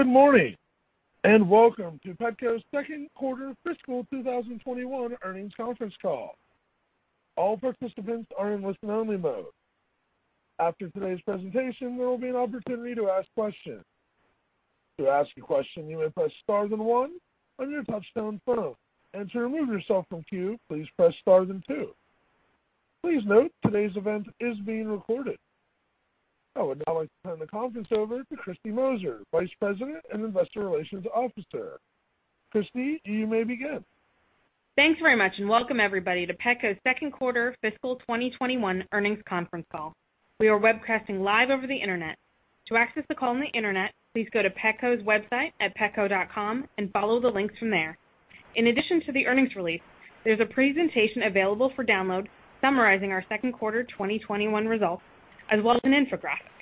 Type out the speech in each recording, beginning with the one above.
Good morning, and welcome to Petco's second quarter fiscal 2021 earnings conference call. I would now like to turn the conference over to Kristy Moser, Vice President and Investor Relations Officer. Kristy, you may begin. Thanks very much, and welcome everybody to Petco's second quarter fiscal 2021 earnings conference call. We are webcasting live over the internet. To access the call on the internet, please go to petco.com and follow the links from there. In addition to the earnings release, there's a presentation available for download summarizing our second quarter 2021 results, as well as an infographic.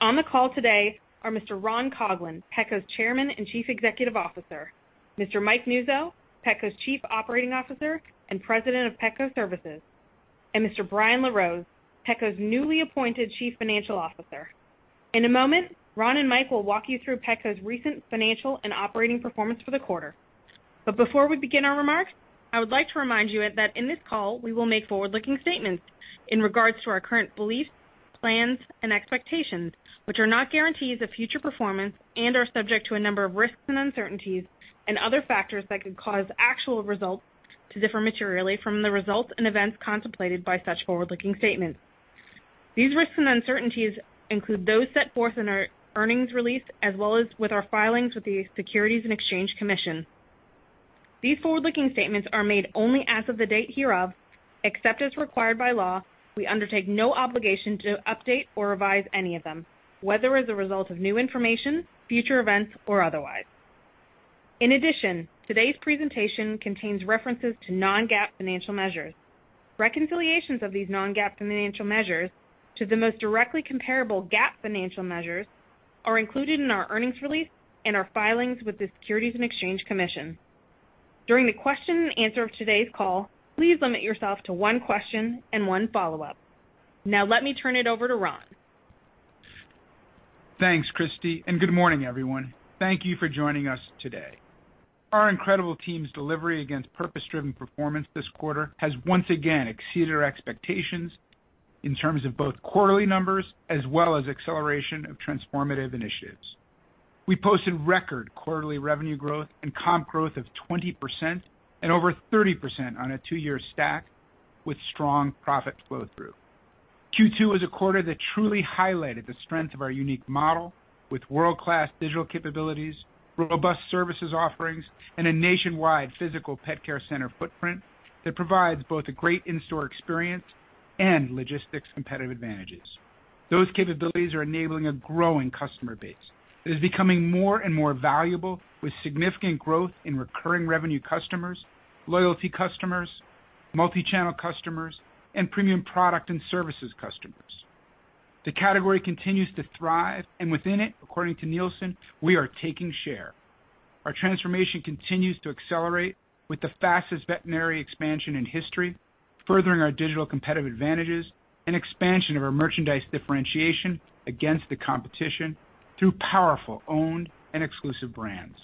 On the call today are Mr. Ron Coughlin, Petco's Chairman and Chief Executive Officer, Mr. Mike Nuzzo, Petco's Chief Operating Officer and President of Petco Services, and Mr. Brian LaRose, Petco's newly appointed Chief Financial Officer. In a moment, Ron and Mike will walk you through Petco's recent financial and operating performance for the quarter. Before we begin our remarks, I would like to remind you that in this call, we will make forward-looking statements in regards to our current beliefs, plans, and expectations, which are not guarantees of future performance and are subject to a number of risks and uncertainties and other factors that could cause actual results to differ materially from the results and events contemplated by such forward-looking statements. These risks and uncertainties include those set forth in our earnings release, as well as with our filings with the Securities and Exchange Commission. These forward-looking statements are made only as of the date hereof. Except as required by law, we undertake no obligation to update or revise any of them, whether as a result of new information, future events, or otherwise. In addition, today's presentation contains references to non-GAAP financial measures. Reconciliations of these non-GAAP financial measures to the most directly comparable GAAP financial measures are included in our earnings release and our filings with the Securities and Exchange Commission. During the question-and-answer of today's call, please limit yourself to one question and one follow-up. Now let me turn it over to Ron. Thanks, Kristy, and good morning, everyone. Thank you for joining us today. Our incredible team's delivery against purpose-driven performance this quarter has once again exceeded our expectations in terms of both quarterly numbers as well as acceleration of transformative initiatives. We posted record quarterly revenue growth and comp growth of 20% and over 30% on a two-year stack with strong profit flow-through. Q2 was a quarter that truly highlighted the strength of our unique model with world-class digital capabilities, robust services offerings, and a nationwide physical pet care center footprint that provides both a great in-store experience and logistics competitive advantages. Those capabilities are enabling a growing customer base that is becoming more and more valuable with significant growth in recurring revenue customers, loyalty customers, multi-channel customers, and premium product and services customers. The category continues to thrive. Within it, according to Nielsen, we are taking share. Our transformation continues to accelerate with the fastest veterinary expansion in history, furthering our digital competitive advantages and expansion of our merchandise differentiation against the competition through powerful, owned, and exclusive brands.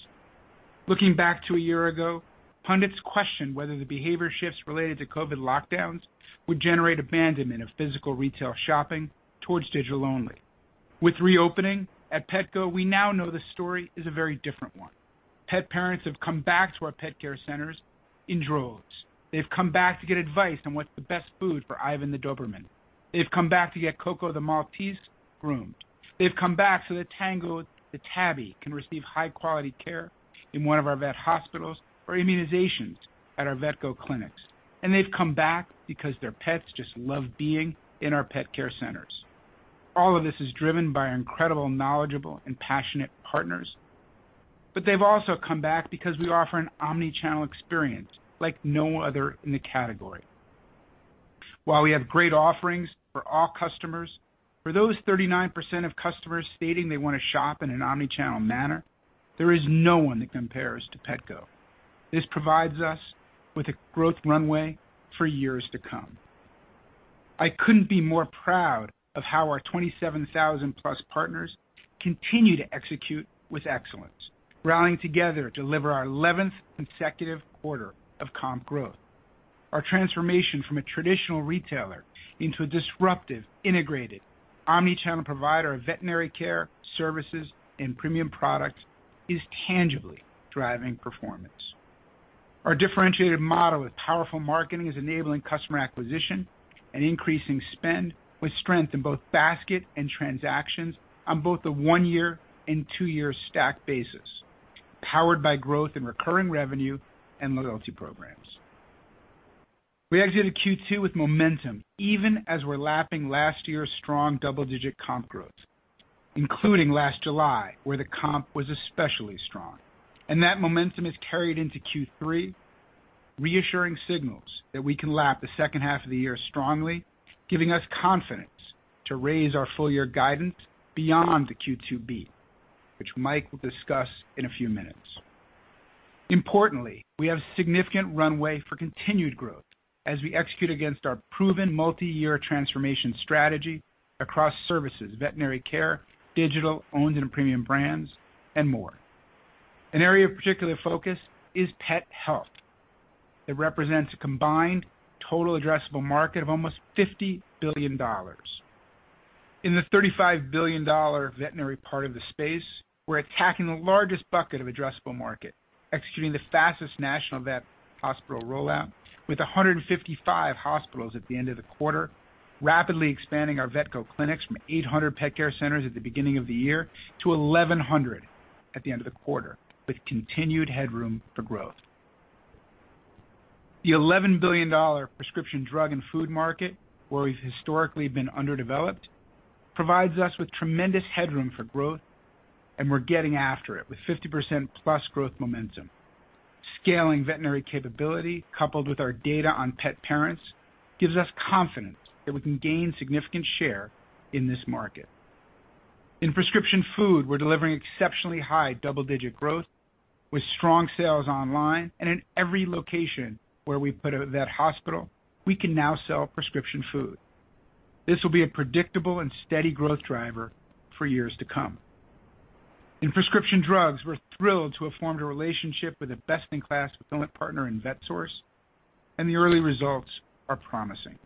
Looking back to a year ago, pundits questioned whether the behavior shifts related to COVID lockdowns would generate abandonment of physical retail shopping towards digital only. With reopening, at Petco, we now know the story is a very different one. Pet parents have come back to our pet care centers in droves. They've come back to get advice on what's the best food for Ivan the Doberman. They've come back to get Coco the Maltese groomed. They've come back so that Tango the Tabby can receive high-quality care in one of our vet hospitals or immunizations at our Vetco clinics. They've come back because their pets just love being in our pet care centers. All of this is driven by our incredible, knowledgeable, and passionate partners, but they've also come back because we offer an omni-channel experience like no other in the category. While we have great offerings for all customers, for those 39% of customers stating they want to shop in an omni-channel manner, there is no one that compares to Petco. This provides us with a growth runway for years to come. I couldn't be more proud of how our 27,000-plus partners continue to execute with excellence, rallying together to deliver our 11th consecutive quarter of comp growth. Our transformation from a traditional retailer into a disruptive, integrated omni-channel provider of veterinary care, services, and premium products is tangibly driving performance. Our differentiated model with powerful marketing is enabling customer acquisition and increasing spend with strength in both basket and transactions on both the one-year and two-year stacked basis, powered by growth in recurring revenue and loyalty programs. We exited Q2 with momentum, even as we're lapping last year's strong double-digit comp growth, including last July, where the comp was especially strong. That momentum is carried into Q3, reassuring signals that we can lap the second half of the year strongly, giving us confidence to raise our full-year guidance beyond the Q2 beat, which Mike will discuss in a few minutes. Importantly, we have significant runway for continued growth as we execute against our proven multi-year transformation strategy across services, veterinary care, digital, owned and premium brands, and more. An area of particular focus is pet health. It represents a combined total addressable market of almost $50 billion. In the $35 billion veterinary part of the space, we're attacking the largest bucket of addressable market, executing the fastest national vet hospital rollout with 155 hospitals at the end of the quarter, rapidly expanding our Vetco clinics from 800 pet care centers at the beginning of the year to 1,100 at the end of the quarter, with continued headroom for growth. The $11 billion prescription drug and food market, where we've historically been underdeveloped, provides us with tremendous headroom for growth, and we're getting after it with 50%+ growth momentum. Scaling veterinary capability coupled with our data on pet parents gives us confidence that we can gain significant share in this market. In prescription food, we're delivering exceptionally high double-digit growth with strong sales online. In every location where we put a vet hospital, we can now sell prescription food. This will be a predictable and steady growth driver for years to come. In prescription drugs, we're thrilled to have formed a relationship with a best-in-class fulfillment partner in Vetsource, and the early results are promising.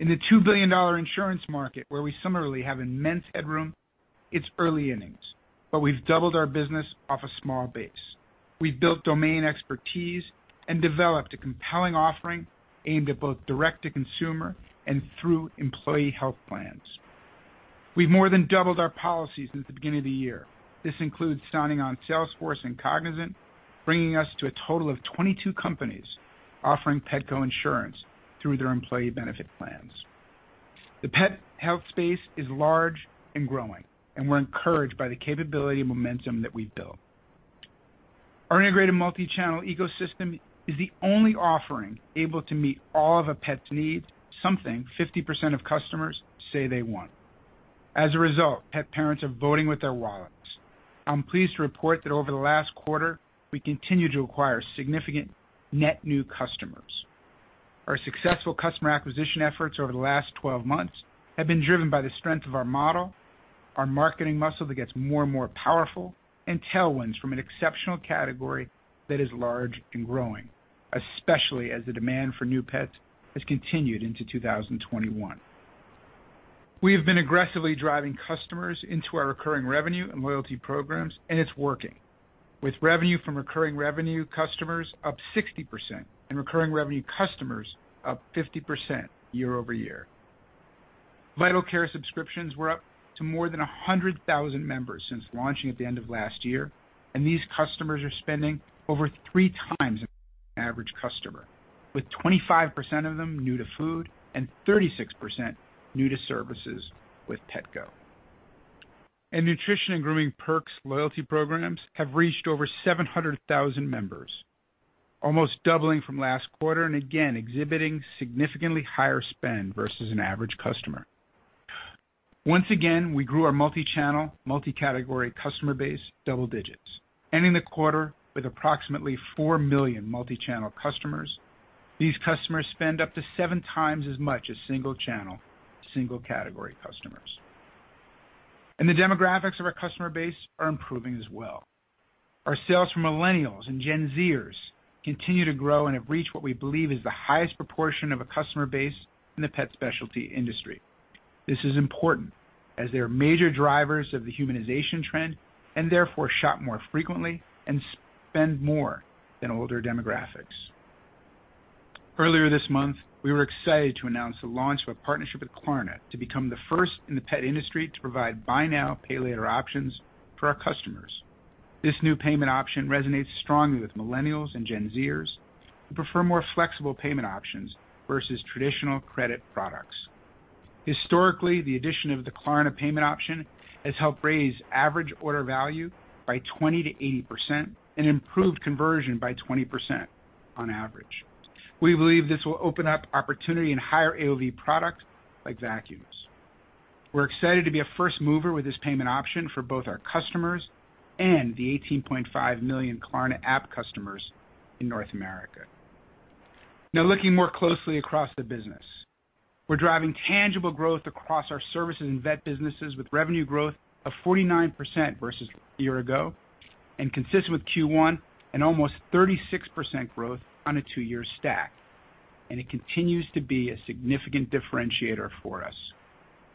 In the $2 billion insurance market, where we similarly have immense headroom, it's early innings, but we've doubled our business off a small base. We've built domain expertise and developed a compelling offering aimed at both direct-to-consumer and through employee health plans. We've more than doubled our policies since the beginning of the year. This includes signing on Salesforce and Cognizant, bringing us to a total of 22 companies offering Petco insurance through their employee benefit plans. The pet health space is large and growing, and we're encouraged by the capability and momentum that we've built. Our integrated multi-channel ecosystem is the only offering able to meet all of a pet's needs, something 50% of customers say they want. As a result, pet parents are voting with their wallets. I'm pleased to report that over the last quarter, we continued to acquire significant net new customers. Our successful customer acquisition efforts over the last 12 months have been driven by the strength of our model, our marketing muscle that gets more and more powerful, and tailwinds from an exceptional category that is large and growing, especially as the demand for new pets has continued into 2021. We have been aggressively driving customers into our recurring revenue and loyalty programs, and it's working. With revenue from recurring revenue customers up 60% and recurring revenue customers up 50% year-over-year. Vital Care subscriptions were up to more than 100,000 members since launching at the end of last year. These customers are spending over 3x an average customer, with 25% of them new to food and 36% new to services with Petco. Food Perks and Grooming Perks loyalty programs have reached over 700,000 members, almost doubling from last quarter, again exhibiting significantly higher spend versus an average customer. Once again, we grew our multi-channel, multi-category customer base double digits, ending the quarter with approximately 4 million multi-channel customers. These customers spend up to 7x as much as single-channel, single-category customers. The demographics of our customer base are improving as well. Our sales from Millennials and Gen Z continue to grow and have reached what we believe is the highest proportion of a customer base in the pet specialty industry. This is important as they are major drivers of the humanization trend, and therefore, shop more frequently and spend more than older demographics. Earlier this month, we were excited to announce the launch of a partnership with Klarna to become the first in the pet industry to provide buy now, pay later options for our customers. This new payment option resonates strongly with Millennials and Gen Z-ers who prefer more flexible payment options versus traditional credit products. Historically, the addition of the Klarna payment option has helped raise average order value by 20%-80% and improved conversion by 20% on average. We believe this will open up opportunity in higher AOV products like vacuums. We're excited to be a first mover with this payment option for both our customers and the 18.5 million Klarna app customers in North America. Looking more closely across the business. We're driving tangible growth across our Petco Services and Vet businesses with revenue growth of 49% versus a year ago, consistent with Q1 and almost 36% growth on a two-year stack. It continues to be a significant differentiator for us.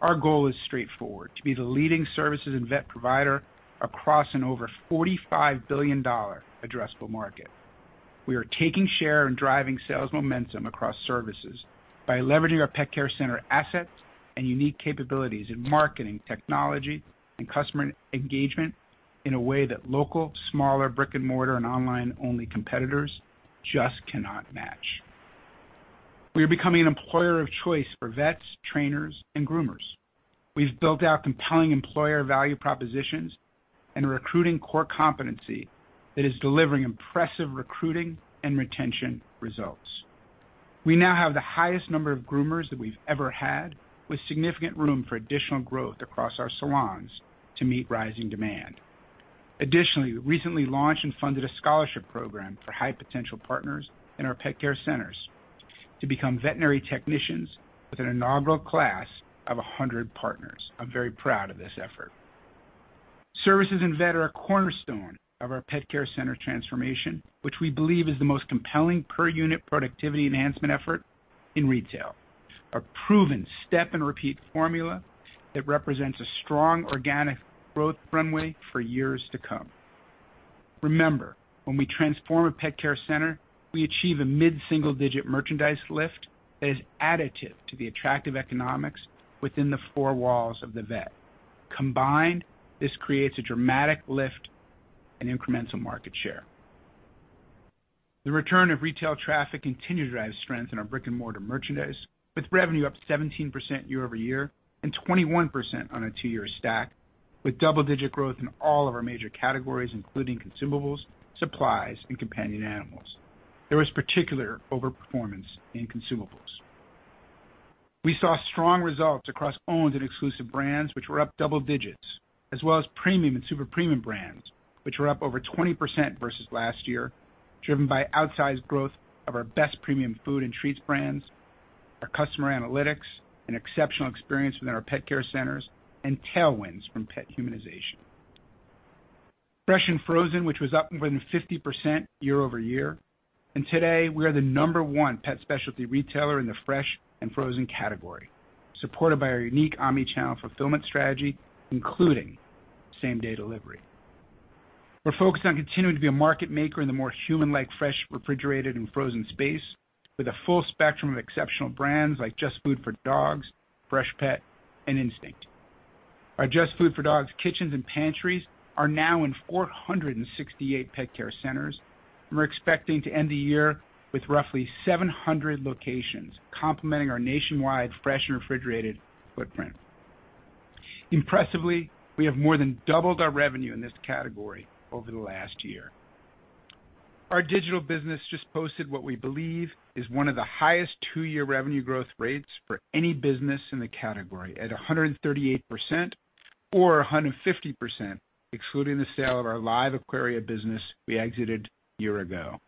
Our goal is straightforward, to be the leading Petco Services and Vet provider across an over $45 billion addressable market. We are taking share and driving sales momentum across Petco Services by leveraging our pet care center assets and unique capabilities in marketing, technology, and customer engagement in a way that local, smaller brick-and-mortar, and online-only competitors just cannot match. We are becoming an employer of choice for vets, trainers, and groomers. We've built out compelling employer value propositions and a recruiting core competency that is delivering impressive recruiting and retention results. We now have the highest number of groomers that we've ever had, with significant room for additional growth across our salons to meet rising demand. Additionally, we recently launched and funded a scholarship program for high-potential partners in our pet care centers to become veterinary technicians with an inaugural class of 100 partners. I'm very proud of this effort. Services and vet are a cornerstone of our pet care center transformation, which we believe is the most compelling per-unit productivity enhancement effort in retail. A proven step and repeat formula that represents a strong organic growth runway for years to come. Remember, when we transform a pet care center, we achieve a mid-single-digit merchandise lift that is additive to the attractive economics within the four walls of the vet. Combined, this creates a dramatic lift in incremental market share. The return of retail traffic continued to drive strength in our brick-and-mortar merchandise, with revenue up 17% year-over-year and 21% on a two-year stack, with double-digit growth in all of our major categories, including consumables, supplies, and companion animals. There was particular overperformance in consumables. We saw strong results across owned and exclusive brands, which were up double digits, as well as premium and super premium brands, which were up over 20% versus last year, driven by outsized growth of our best premium food and treats brands, our customer analytics, and exceptional experience within our pet care centers, and tailwinds from pet humanization. Fresh and frozen, which was up more than 50% year-over-year. Today, we are the number one pet specialty retailer in the fresh and frozen category, supported by our unique omnichannel fulfillment strategy, including same-day delivery. We're focused on continuing to be a market maker in the more human-like fresh, refrigerated, and frozen space with a full spectrum of exceptional brands like JustFoodForDogs, Freshpet, and Instinct. Our JustFoodForDogs Kitchens and Pantries are now in 468 Pet Care Centers, and we're expecting to end the year with roughly 700 locations, complementing our nationwide fresh and refrigerated footprint. Impressively, we have more than doubled our revenue in this category over the last year. Our digital business just posted what we believe is one of the highest two-year revenue growth rates for any business in the category at 138%, or 150%, excluding the sale of our LiveAquaria business we exited a year ago.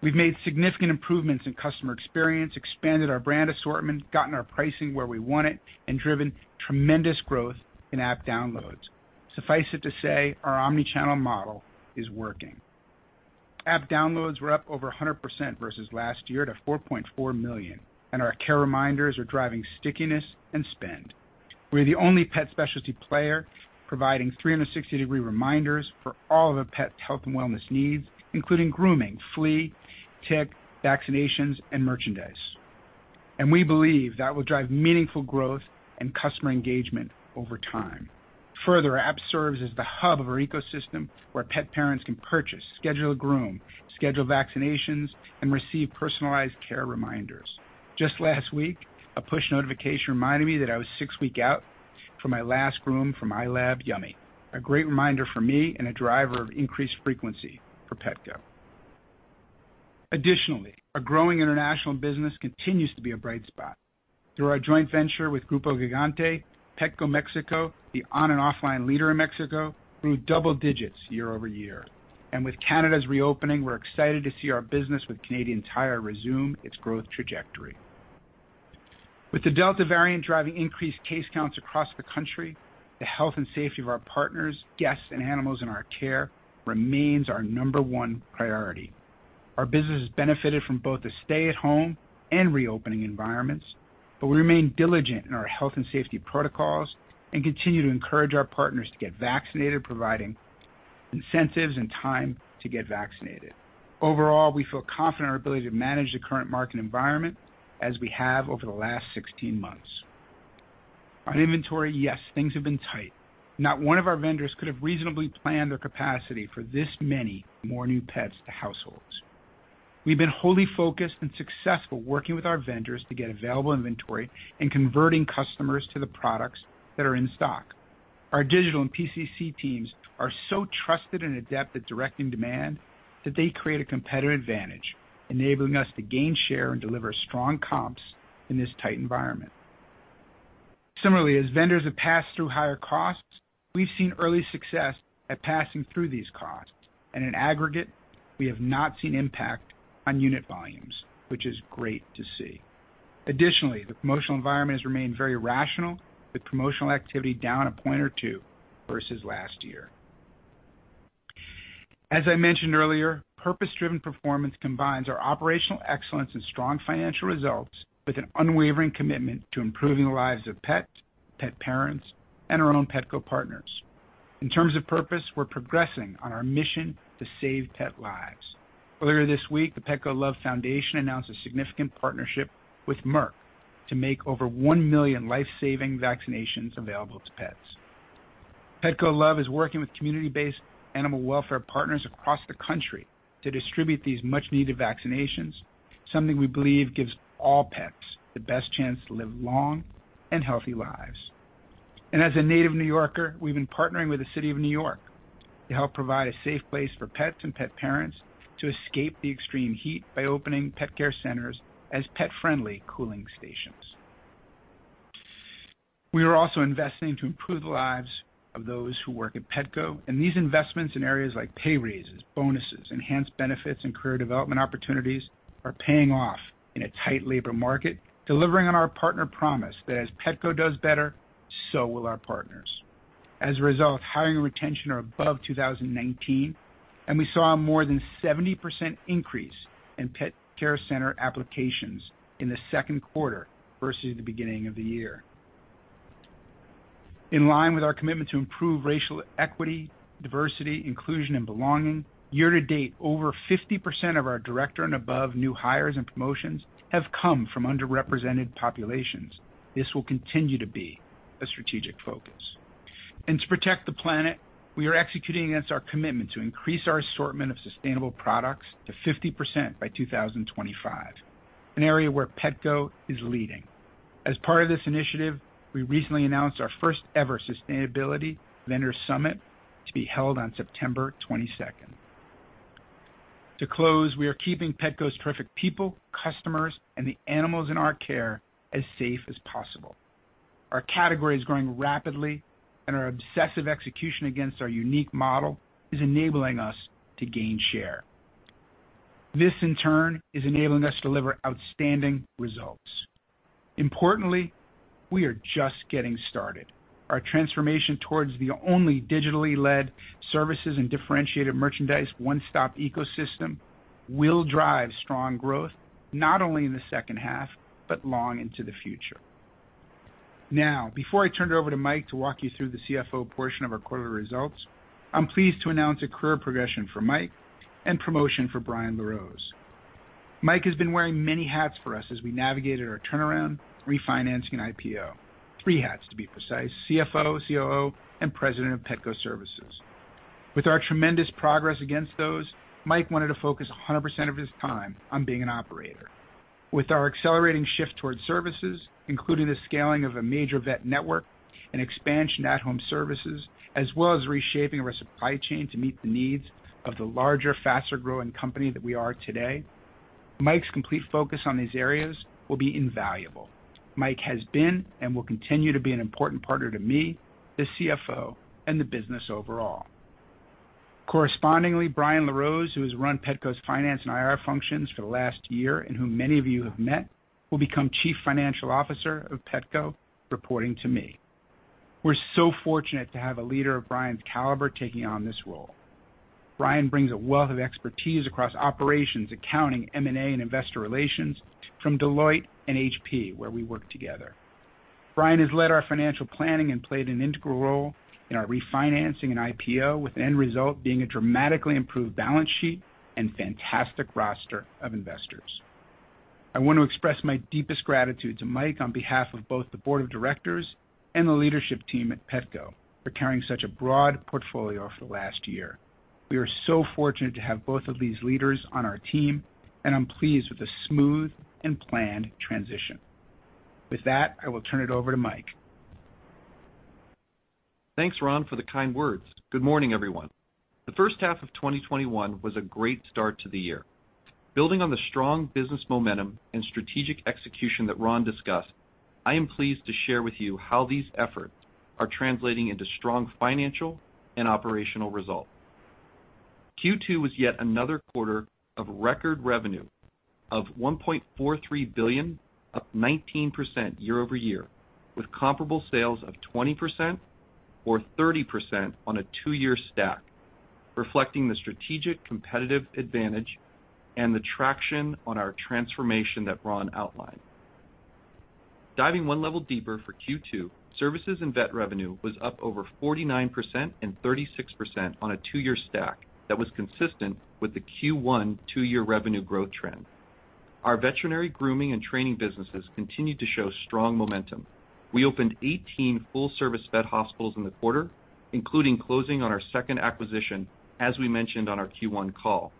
We've made significant improvements in customer experience, expanded our brand assortment, gotten our pricing where we want it, and driven tremendous growth in app downloads. Suffice it to say, our omnichannel model is working. App downloads were up over 100% versus last year to 4.4 million, and our care reminders are driving stickiness and spend. We are the only pet specialty player providing 360-degree reminders for all of a pet's health and wellness needs, including grooming, flea, tick, vaccinations, and merchandise. We believe that will drive meaningful growth and customer engagement over time. Further, our app serves as the hub of our ecosystem where pet parents can purchase, schedule a groom, schedule vaccinations, and receive personalized care reminders. Just last week, a push notification reminded me that I was six weeks out for my last groom for my lab, Yummy. A great reminder for me and a driver of increased frequency for Petco. Additionally, our growing international business continues to be a bright spot. Through our joint venture with Grupo Gigante, Petco Mexico, the on and offline leader in Mexico, grew double digits year-over-year. With Canada's reopening, we're excited to see our business with Canadian Tire resume its growth trajectory. With the Delta variant driving increased case counts across the country, the health and safety of our partners, guests, and animals in our care remains our number one priority. Our business has benefited from both the stay-at-home and reopening environments, but we remain diligent in our health and safety protocols and continue to encourage our partners to get vaccinated, providing incentives and time to get vaccinated. Overall, we feel confident in our ability to manage the current market environment as we have over the last 16 months. On inventory, yes, things have been tight. Not one of our vendors could have reasonably planned their capacity for this many more new pets to households. We've been wholly focused and successful working with our vendors to get available inventory and converting customers to the products that are in stock. Our digital and PCC teams are so trusted and adept at directing demand that they create a competitive advantage, enabling us to gain share and deliver strong comps in this tight environment. Similarly, as vendors have passed through higher costs, we've seen early success at passing through these costs, and in aggregate, we have not seen impact on unit volumes, which is great to see. Additionally, the promotional environment has remained very rational, with promotional activity down a point or two versus last year. As I mentioned earlier, purpose-driven performance combines our operational excellence and strong financial results with an unwavering commitment to improving the lives of pets, pet parents, and our own Petco partners. In terms of purpose, we're progressing on our mission to save pet lives. Earlier this week, the Petco Love announced a significant partnership with Merck to make over 1 million life-saving vaccinations available to pets. Petco Love is working with community-based animal welfare partners across the country to distribute these much-needed vaccinations, something we believe gives all pets the best chance to live long and healthy lives. As a native New Yorker, we've been partnering with the City of New York to help provide a safe place for pets and pet parents to escape the extreme heat by opening pet care centers as pet-friendly cooling stations. We are also investing to improve the lives of those who work at Petco, and these investments in areas like pay raises, bonuses, enhanced benefits, and career development opportunities are paying off in a tight labor market, delivering on our partner promise that as Petco does better, so will our partners. As a result, hiring and retention are above 2019, and we saw a more than 70% increase in pet care center applications in the second quarter versus the beginning of the year. In line with our commitment to improve racial equity, diversity, inclusion, and belonging, year to date, over 50% of our director and above new hires and promotions have come from underrepresented populations. This will continue to be a strategic focus. To protect the planet, we are executing against our commitment to increase our assortment of sustainable products to 50% by 2025, an area where Petco is leading. As part of this initiative, we recently announced our first-ever sustainability vendor summit to be held on September 22nd. To close, we are keeping Petco's perfect people, customers, and the animals in our care as safe as possible. Our category is growing rapidly, and our obsessive execution against our unique model is enabling us to gain share. This, in turn, is enabling us to deliver outstanding results. Importantly, we are just getting started. Our transformation towards the only digitally led services and differentiated merchandise one-stop ecosystem will drive strong growth not only in the second half, but long into the future. Now, before I turn it over to Mike to walk you through the CFO portion of our quarterly results, I am pleased to announce a career progression for Mike and promotion for Brian LaRose. Mike has been wearing many hats for us as we navigated our turnaround, refinancing, and IPO. Three hats to be precise, CFO, COO, and President of Petco Services. With our tremendous progress against those, Mike wanted to focus 100% of his time on being an operator. With our accelerating shift towards services, including the scaling of a major vet network and expansion at home services, as well as reshaping our supply chain to meet the needs of the larger, faster-growing company that we are today. Mike's complete focus on these areas will be invaluable. Mike has been and will continue to be an important partner to me, the CFO, and the business overall. Correspondingly, Brian LaRose, who has run Petco's finance and IR functions for the last year and whom many of you have met, will become Chief Financial Officer of Petco, reporting to me. We're so fortunate to have a leader of Brian's caliber taking on this role. Brian brings a wealth of expertise across operations, accounting, M&A, and investor relations from Deloitte and HP, where we worked together. Brian has led our financial planning and played an integral role in our refinancing and IPO, with the end result being a dramatically improved balance sheet and fantastic roster of investors. I want to express my deepest gratitude to Mike on behalf of both the board of directors and the leadership team at Petco for carrying such a broad portfolio for the last year. We are so fortunate to have both of these leaders on our team, and I'm pleased with the smooth and planned transition. With that, I will turn it over to Mike. Thanks, Ron, for the kind words. Good morning, everyone. The first half of 2021 was a great start to the year. Building on the strong business momentum and strategic execution that Ron discussed, I am pleased to share with you how these efforts are translating into strong financial and operational results. Q2 was yet another quarter of record revenue of $1.43 billion, up 19% year-over-year, with comparable sales of 20% or 30% on a two-year stack, reflecting the strategic competitive advantage and the traction on our transformation that Ron outlined. Diving 1 level deeper for Q2, services and vet revenue was up over 49% and 36% on a two-year stack that was consistent with the Q1 two-year revenue growth trend. Our veterinary grooming and training businesses continued to show strong momentum. We opened 18 full-service vet hospitals in the quarter, including closing on our second acquisition, as we mentioned on our Q1 call,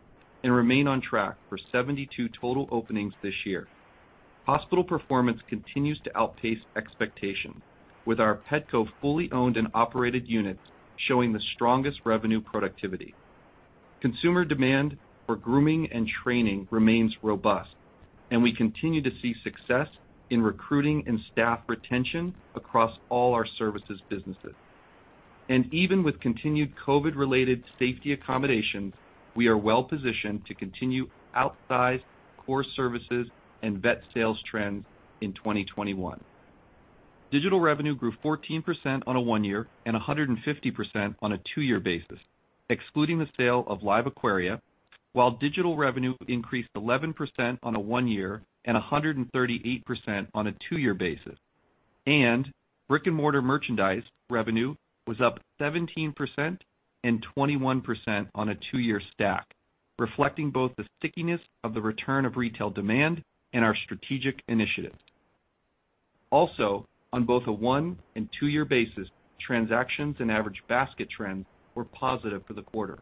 and remain on track for 72 total openings this year. Hospital performance continues to outpace expectations, with our Petco fully owned and operated units showing the strongest revenue productivity. Consumer demand for grooming and training remains robust, and we continue to see success in recruiting and staff retention across all our services businesses. Even with continued COVID-related safety accommodations, we are well positioned to continue outsized core services and vet sales trends in 2021. Digital revenue grew 14% on a one-year and 150% on a two-year basis, excluding the sale of LiveAquaria, while digital revenue increased 11% on a one-year and 138% on a two-year basis. Brick-and-mortar merchandise revenue was up 17% and 21% on a two-year stack, reflecting both the stickiness of the return of retail demand and our strategic initiatives. On both a one and two-year basis, transactions and average basket trends were positive for the quarter.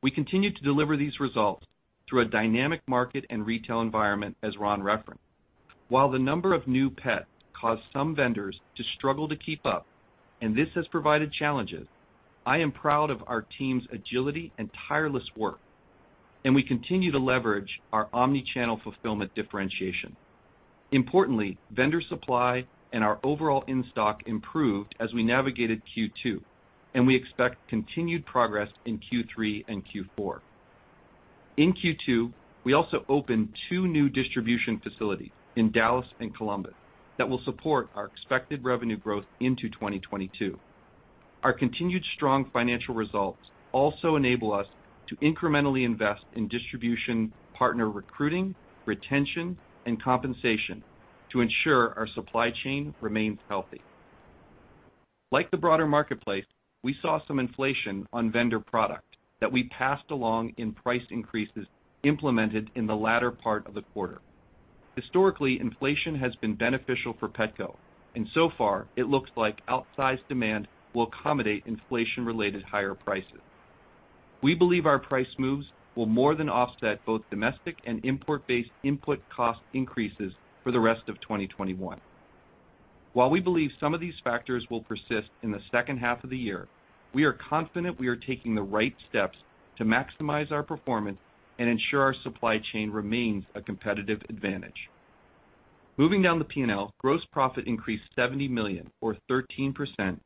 We continue to deliver these results through a dynamic market and retail environment, as Ron referenced. While the number of new pet caused some vendors to struggle to keep up, and this has provided challenges, I am proud of our team's agility and tireless work, and we continue to leverage our omni-channel fulfillment differentiation. Vendor supply and our overall in-stock improved as we navigated Q2, and we expect continued progress in Q3 and Q4. In Q2, we also opened two new distribution facilities in Dallas and Columbus that will support our expected revenue growth into 2022. Our continued strong financial results also enable us to incrementally invest in distribution partner recruiting, retention, and compensation to ensure our supply chain remains healthy. Like the broader marketplace, we saw some inflation on vendor product that we passed along in price increases implemented in the latter part of the quarter. Historically, inflation has been beneficial for Petco, and so far, it looks like outsized demand will accommodate inflation-related higher prices. We believe our price moves will more than offset both domestic and import-based input cost increases for the rest of 2021. While we believe some of these factors will persist in the second half of the year, we are confident we are taking the right steps to maximize our performance and ensure our supply chain remains a competitive advantage. Moving down the P&L, gross profit increased $70 million, or 13%,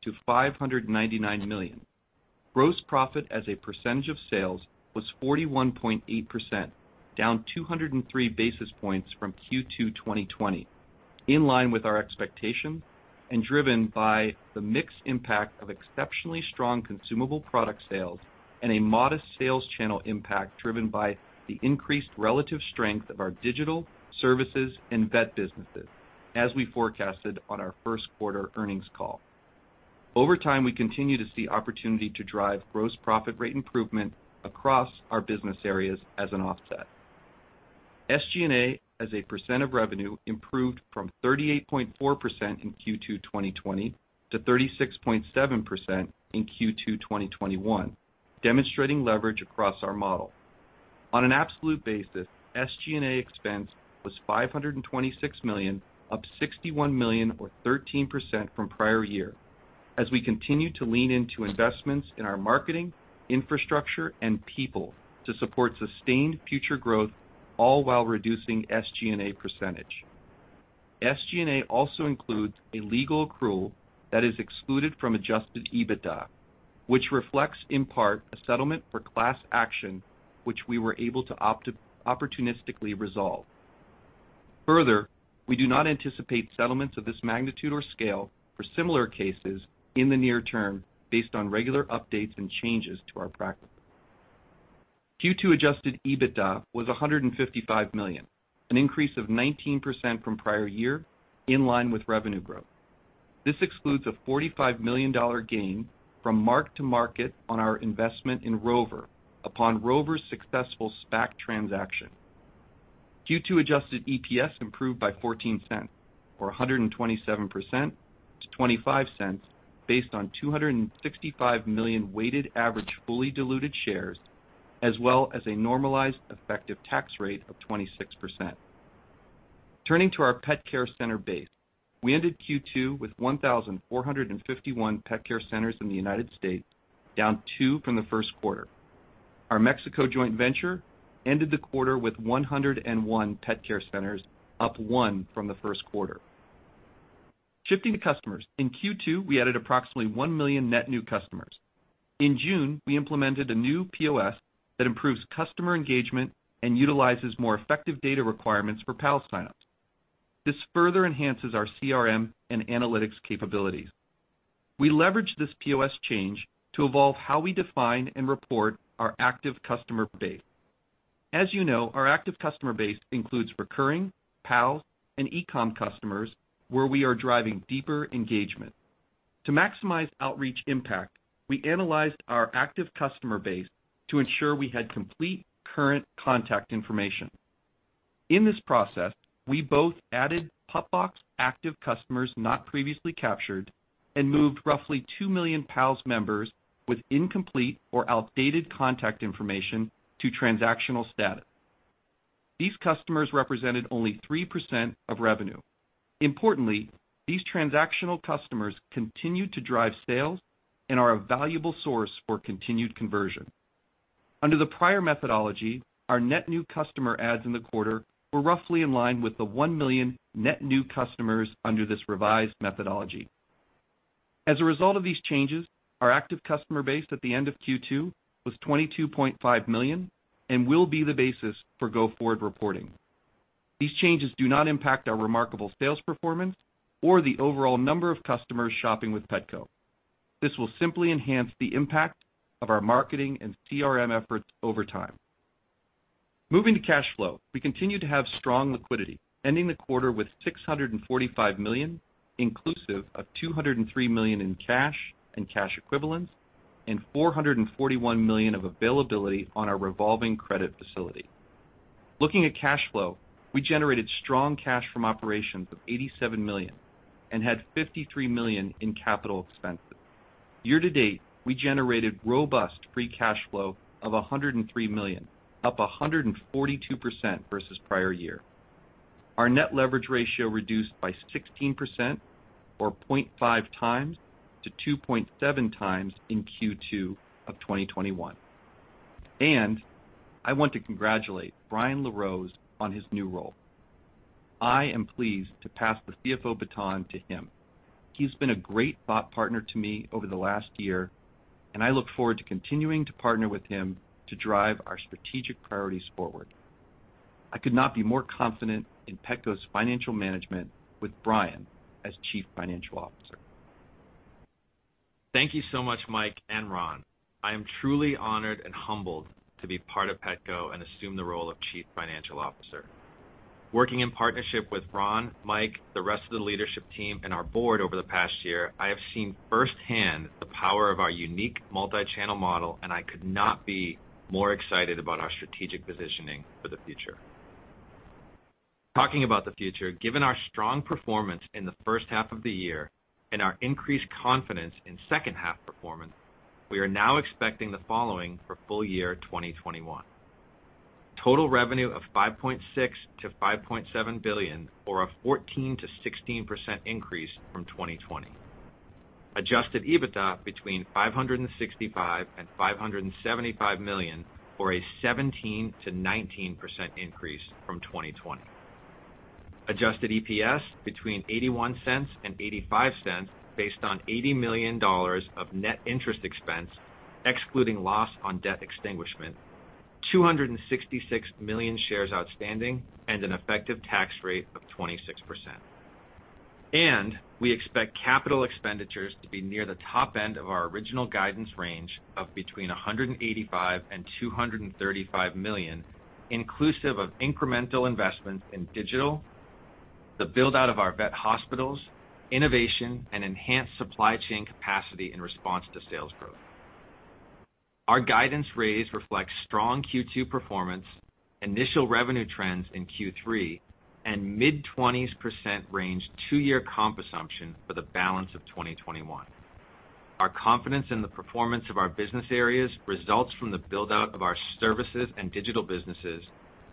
to $599 million. Gross profit as a percentage of sales was 41.8%, down 203 basis points from Q2 2020, in line with our expectations and driven by the mixed impact of exceptionally strong consumable product sales and a modest sales channel impact driven by the increased relative strength of our digital, services, and vet businesses as we forecasted on our first quarter earnings call. Over time, we continue to see opportunity to drive gross profit rate improvement across our business areas as an offset. SG&A as a percent of revenue improved from 38.4% in Q2 2020 to 36.7% in Q2 2021, demonstrating leverage across our model. On an absolute basis, SG&A expense was $526 million, up $61 million or 13% from prior year, as we continue to lean into investments in our marketing, infrastructure, and people to support sustained future growth, all while reducing SG&A percentage. SG&A also includes a legal accrual that is excluded from adjusted EBITDA, which reflects, in part, a settlement for class action, which we were able to opportunistically resolve. Further, we do not anticipate settlements of this magnitude or scale for similar cases in the near term based on regular updates and changes to our practices. Q2 adjusted EBITDA was $155 million, an increase of 19% from prior year, in line with revenue growth. This excludes a $45 million gain from mark-to-market on our investment in Rover upon Rover's successful SPAC transaction. Q2 adjusted EPS improved by $0.14 or 127% to $0.25 based on 265 million weighted average fully diluted shares, as well as a normalized effective tax rate of 26%. Turning to our pet care center base, we ended Q2 with 1,451 pet care centers in the U.S., down two from the first quarter. Our Mexico joint venture ended the quarter with 101 Pet Care Centers, up one from the first quarter. Shifting to customers, in Q2, we added approximately 1 million net new customers. In June, we implemented a new POS that improves customer engagement and utilizes more effective data requirements for Pals sign-ups. This further enhances our CRM and analytics capabilities. We leveraged this POS change to evolve how we define and report our active customer base. As you know, our active customer base includes recurring, Pals, and e-com customers where we are driving deeper engagement. To maximize outreach impact, we analyzed our active customer base to ensure we had complete current contact information. In this process, we both added PupBox active customers not previously captured and moved roughly 2 million Pals members with incomplete or outdated contact information to transactional status. These customers represented only 3% of revenue. Importantly, these transactional customers continue to drive sales and are a valuable source for continued conversion. Under the prior methodology, our net new customer adds in the quarter were roughly in line with the 1 million net new customers under this revised methodology. As a result of these changes, our active customer base at the end of Q2 was 22.5 million and will be the basis for go-forward reporting. These changes do not impact our remarkable sales performance or the overall number of customers shopping with Petco. This will simply enhance the impact of our marketing and CRM efforts over time. Moving to cash flow. We continue to have strong liquidity, ending the quarter with $645 million, inclusive of $203 million in cash and cash equivalents and $441 million of availability on our revolving credit facility. Looking at cash flow, we generated strong cash from operations of $87 million and had $53 million in CapEx. Year to date, we generated robust free cash flow of $103 million, up 142% versus prior year. Our net leverage ratio reduced by 16%, or 0.5x to 2.7x in Q2 2021. I want to congratulate Brian LaRose on his new role. I am pleased to pass the CFO baton to him. He's been a great thought partner to me over the last year, and I look forward to continuing to partner with him to drive our strategic priorities forward. I could not be more confident in Petco's financial management with Brian as Chief Financial Officer. Thank you so much, Mike and Ron. I am truly honored and humbled to be part of Petco and assume the role of Chief Financial Officer. Working in partnership with Ron, Mike, the rest of the leadership team, and our board over the past year, I have seen firsthand the power of our unique multi-channel model, and I could not be more excited about our strategic positioning for the future. Talking about the future, given our strong performance in the first half of the year and our increased confidence in second half performance, we are now expecting the following for full year 2021. Total revenue of $5.6 billion-$5.7 billion, or a 14%-16% increase from 2020. Adjusted EBITDA between $565 million and $575 million, or a 17%-19% increase from 2020. Adjusted EPS between $0.81 and $0.85 based on $80 million of net interest expense, excluding loss on debt extinguishment, 266 million shares outstanding, and an effective tax rate of 26%. We expect capital expenditures to be near the top end of our original guidance range of between $185 million and $235 million, inclusive of incremental investments in digital, the build-out of our vet hospitals, innovation, and enhanced supply chain capacity in response to sales growth. Our guidance raise reflects strong Q2 performance, initial revenue trends in Q3, and mid-20% range two-year comp assumption for the balance of 2021. Our confidence in the performance of our business areas results from the build-out of our services and digital businesses,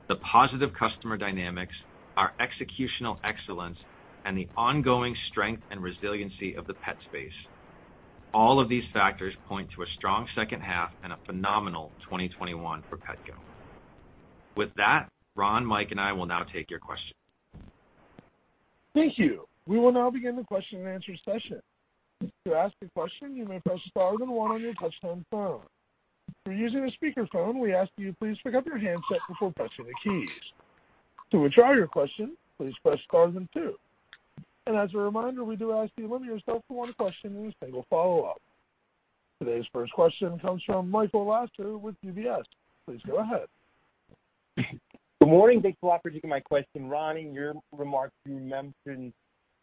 the positive customer dynamics, our executional excellence, and the ongoing strength and resiliency of the pet space. All of these factors point to a strong second half and a phenomenal 2021 for Petco. With that, Ron, Mike, and I will now take your questions. Thank you. We will now begin the question-and-answer session. To ask a question, you may press star then one on your touchtone phone. If you're using a speakerphone, we ask that you please pick up your handset before pressing the keys. To withdraw your question, please press star then two. As a reminder, we do ask that you limit yourself to one question and a single follow-up. Today's first question comes from Michael Lasser with UBS. Please go ahead. Good morning. Thanks for the opportunity. My question, Ron, in your remarks, you mentioned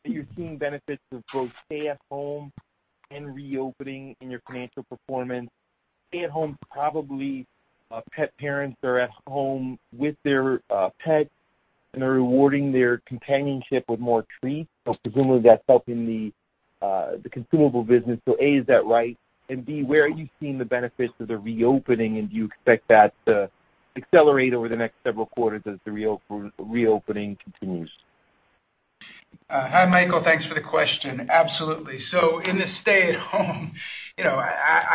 that you're seeing benefits of both stay at home and reopening in your financial performance. Stay at home, probably pet parents are at home with their pets, and they're rewarding their companionship with more treats. Presumably, that's helping the consumable business. A, is that right? B, where are you seeing the benefits of the reopening, and do you expect that to accelerate over the next several quarters as the reopening continues? Hi, Michael. Thanks for the question. Absolutely. In the stay at home,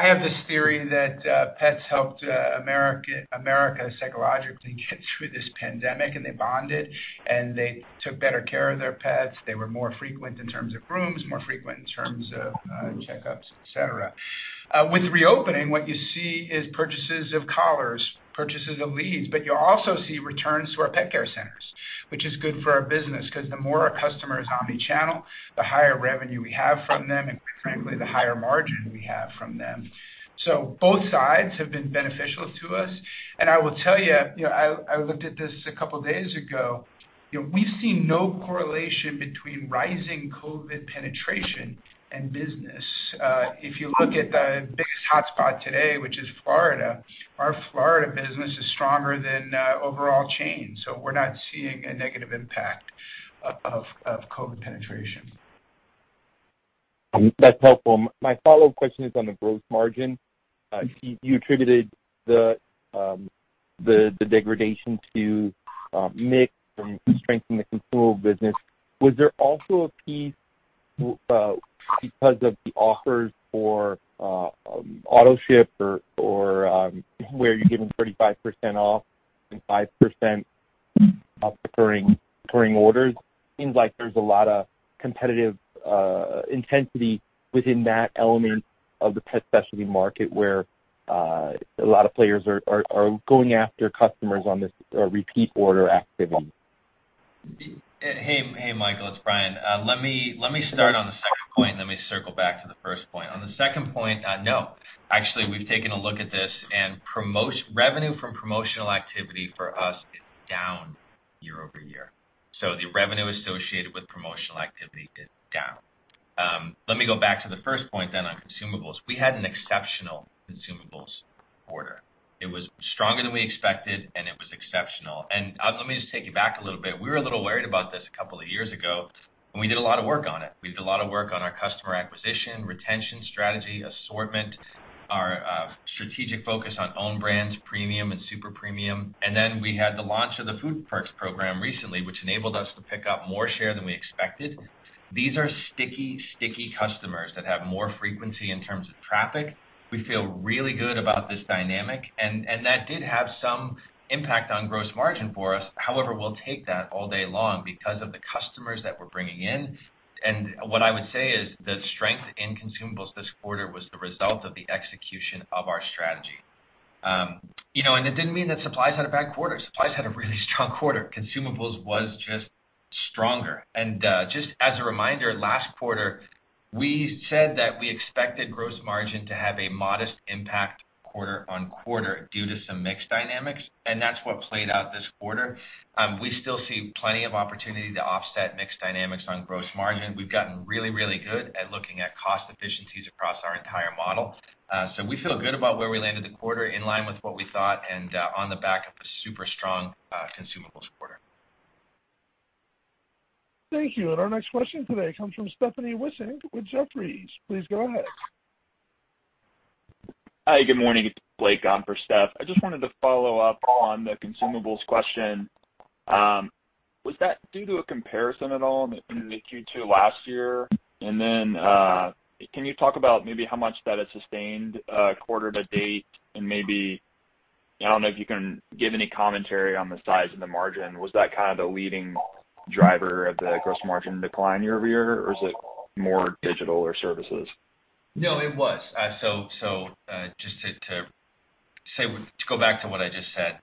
I have this theory that pets helped America psychologically get through this pandemic, and they bonded, and they took better care of their pets. They were more frequent in terms of grooms, more frequent in terms of checkups, et cetera. With reopening, what you see is purchases of collars, purchases of leads, but you also see returns to our Pet Care Centers, which is good for our business, because the more our customer is omnichannel, the higher revenue we have from them, and quite frankly, the higher margin we have from them. Both sides have been beneficial to us. I will tell you, I looked at this a couple of days ago. We've seen no correlation between rising COVID penetration and business. If you look at the biggest hotspot today, which is Florida, our Florida business is stronger than overall chain. We're not seeing a negative impact of COVID penetration. That's helpful. My follow-up question is on the gross margin. You attributed the degradation to mix from strength in the consumable business. Was there also a piece because of the offers for autoship or where you're giving 35% off and 5% off recurring orders? Seems like there's a lot of competitive intensity within that element of the pet specialty market, where a lot of players are going after customers on this repeat order activity. Hey, Michael, it's Brian. Let me start on the second point, and let me circle back to the first point. On the second point, no. Actually, we've taken a look at this, and revenue from promotional activity for us is down. Year-over-year. The revenue associated with promotional activity is down. Let me go back to the first point on consumables. We had an exceptional consumables quarter. It was stronger than we expected and it was exceptional. Let me just take you back a little bit. We were a little worried about this a couple of years ago, and we did a lot of work on it. We did a lot of work on our customer acquisition, retention strategy, assortment, our strategic focus on own brands, premium and super premium. We had the launch of the Food Perks program recently, which enabled us to pick up more share than we expected. These are sticky customers that have more frequency in terms of traffic. We feel really good about this dynamic, and that did have some impact on gross margin for us. However, we'll take that all day long because of the customers that we're bringing in. What I would say is the strength in consumables this quarter was the result of the execution of our strategy. It didn't mean that supplies had a bad quarter. Supplies had a really strong quarter. Consumables was just stronger. Just as a reminder, last quarter we said that we expected gross margin to have a modest impact quarter-on-quarter due to some mix dynamics, and that's what played out this quarter. We still see plenty of opportunity to offset mix dynamics on gross margin. We've gotten really good at looking at cost efficiencies across our entire model. We feel good about where we landed the quarter, in line with what we thought and on the back of a super strong consumables quarter. Thank you. Our next question today comes from Stephanie Wissink with Jefferies. Please go ahead. Hi, good morning. It's Blake on for Steph. I just wanted to follow up on the consumables question. Was that due to a comparison at all in the Q2 last year? Can you talk about maybe how much that has sustained, quarter to date? I don't know if you can give any commentary on the size of the margin. Was that kind of the leading driver of the gross margin decline year-over-year, or is it more digital or Services? No, it was. Just to go back to what I just said,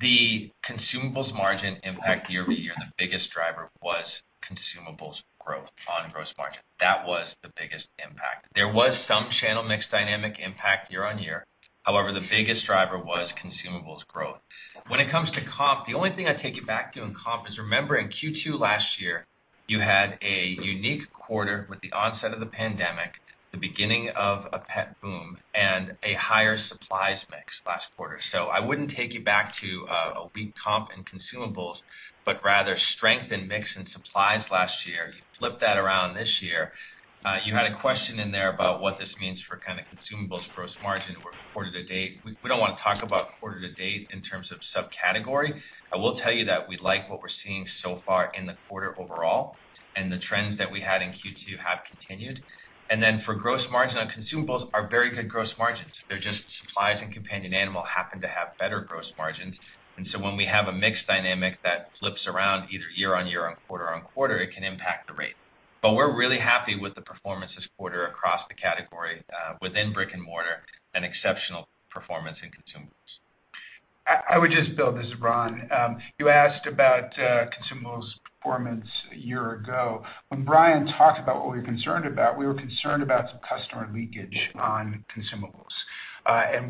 the consumables margin impact year-over-year, and the biggest driver was consumables growth on gross margin. That was the biggest impact. There was some channel mix dynamic impact year-on-year. However, the biggest driver was consumables growth. When it comes to comp, the only thing I'd take you back to in comp is remember in Q2 last year, you had a unique quarter with the onset of the pandemic, the beginning of a pet boom, and a higher supplies mix last quarter. I wouldn't take you back to a weak comp in consumables, but rather strength in mix and supplies last year. You flip that around this year. You had a question in there about what this means for kind of consumables gross margin or quarter to date. We don't want to talk about quarter-to-date in terms of subcategory. I will tell you that we like what we're seeing so far in the quarter overall, and the trends that we had in Q2 have continued. For gross margin on consumables are very good gross margins. They're just supplies and companion animal happen to have better gross margins. When we have a mix dynamic that flips around either year-on-year or quarter-on-quarter, it can impact the rate. We're really happy with the performance this quarter across the category, within brick and mortar, an exceptional performance in consumables. I would just build. This is Ron. You asked about consumables performance a year ago. When Brian talked about what we were concerned about, we were concerned about some customer leakage on consumables.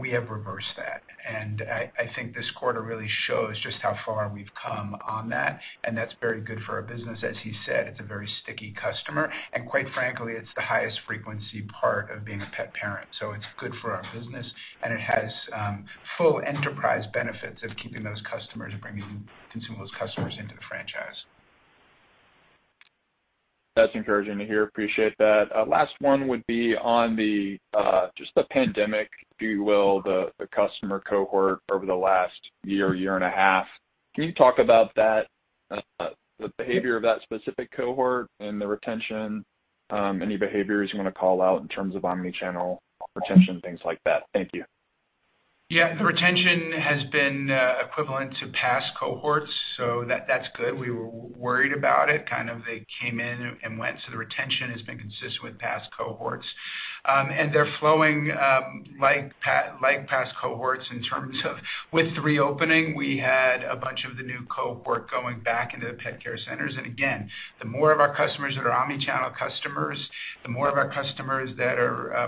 We have reversed that. I think this quarter really shows just how far we've come on that, and that's very good for our business. As he said, it's a very sticky customer, and quite frankly, it's the highest frequency part of being a pet parent. It's good for our business and it has full enterprise benefits of keeping those customers and bringing consumables customers into the franchise. That's encouraging to hear. Appreciate that. Last one would be on just the pandemic, if you will, the customer cohort over the last year and a half. Can you talk about that, the behavior of that specific cohort and the retention? Any behaviors you want to call out in terms of omni-channel retention, things like that? Thank you. Yeah. The retention has been equivalent to past cohorts, that's good. We were worried about it, kind of they came in and went, the retention has been consistent with past cohorts. They're flowing like past cohorts in terms of with reopening, we had a bunch of the new cohort going back into the pet care centers. Again, the more of our customers that are omni-channel customers, the more of our customers that are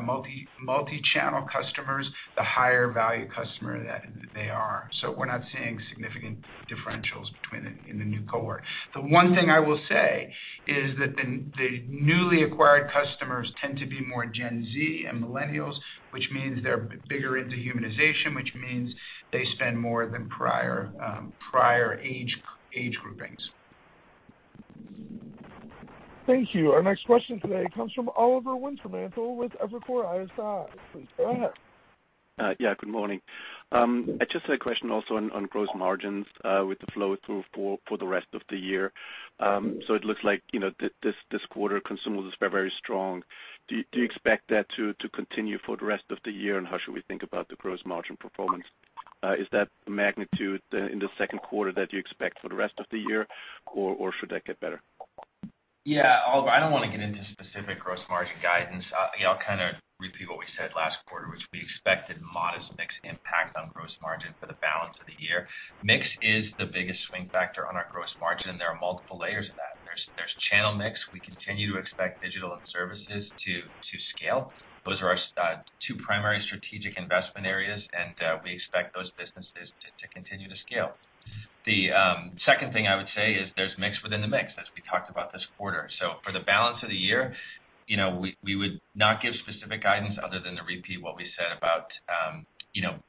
multi-channel customers, the higher value customer that they are. We're not seeing significant differentials between in the new cohort. The one thing I will say is that the newly acquired customers tend to be more Gen Z and millennials, which means they're bigger into humanization, which means they spend more than prior age groupings. Thank you. Our next question today comes from Oliver Wintermantel with Evercore ISI. Please go ahead. Yeah, good morning. I just had a question also on gross margins, with the flow through for the rest of the year. It looks like this quarter consumables are very strong. Do you expect that to continue for the rest of the year? How should we think about the gross margin performance? Is that the magnitude in the second quarter that you expect for the rest of the year, or should that get better? Yeah, Oliver, I don't want to get into specific gross margin guidance. I'll kind of repeat what we said last quarter, which we expected modest mix impact on gross margin for the balance of the year. Mix is the biggest swing factor on our gross margin, and there are multiple layers of that. Channel mix, we continue to expect digital and services to scale. Those are our two primary strategic investment areas, and we expect those businesses to continue to scale. The second thing I would say is there's mix within the mix, as we talked about this quarter. For the balance of the year, we would not give specific guidance other than to repeat what we said about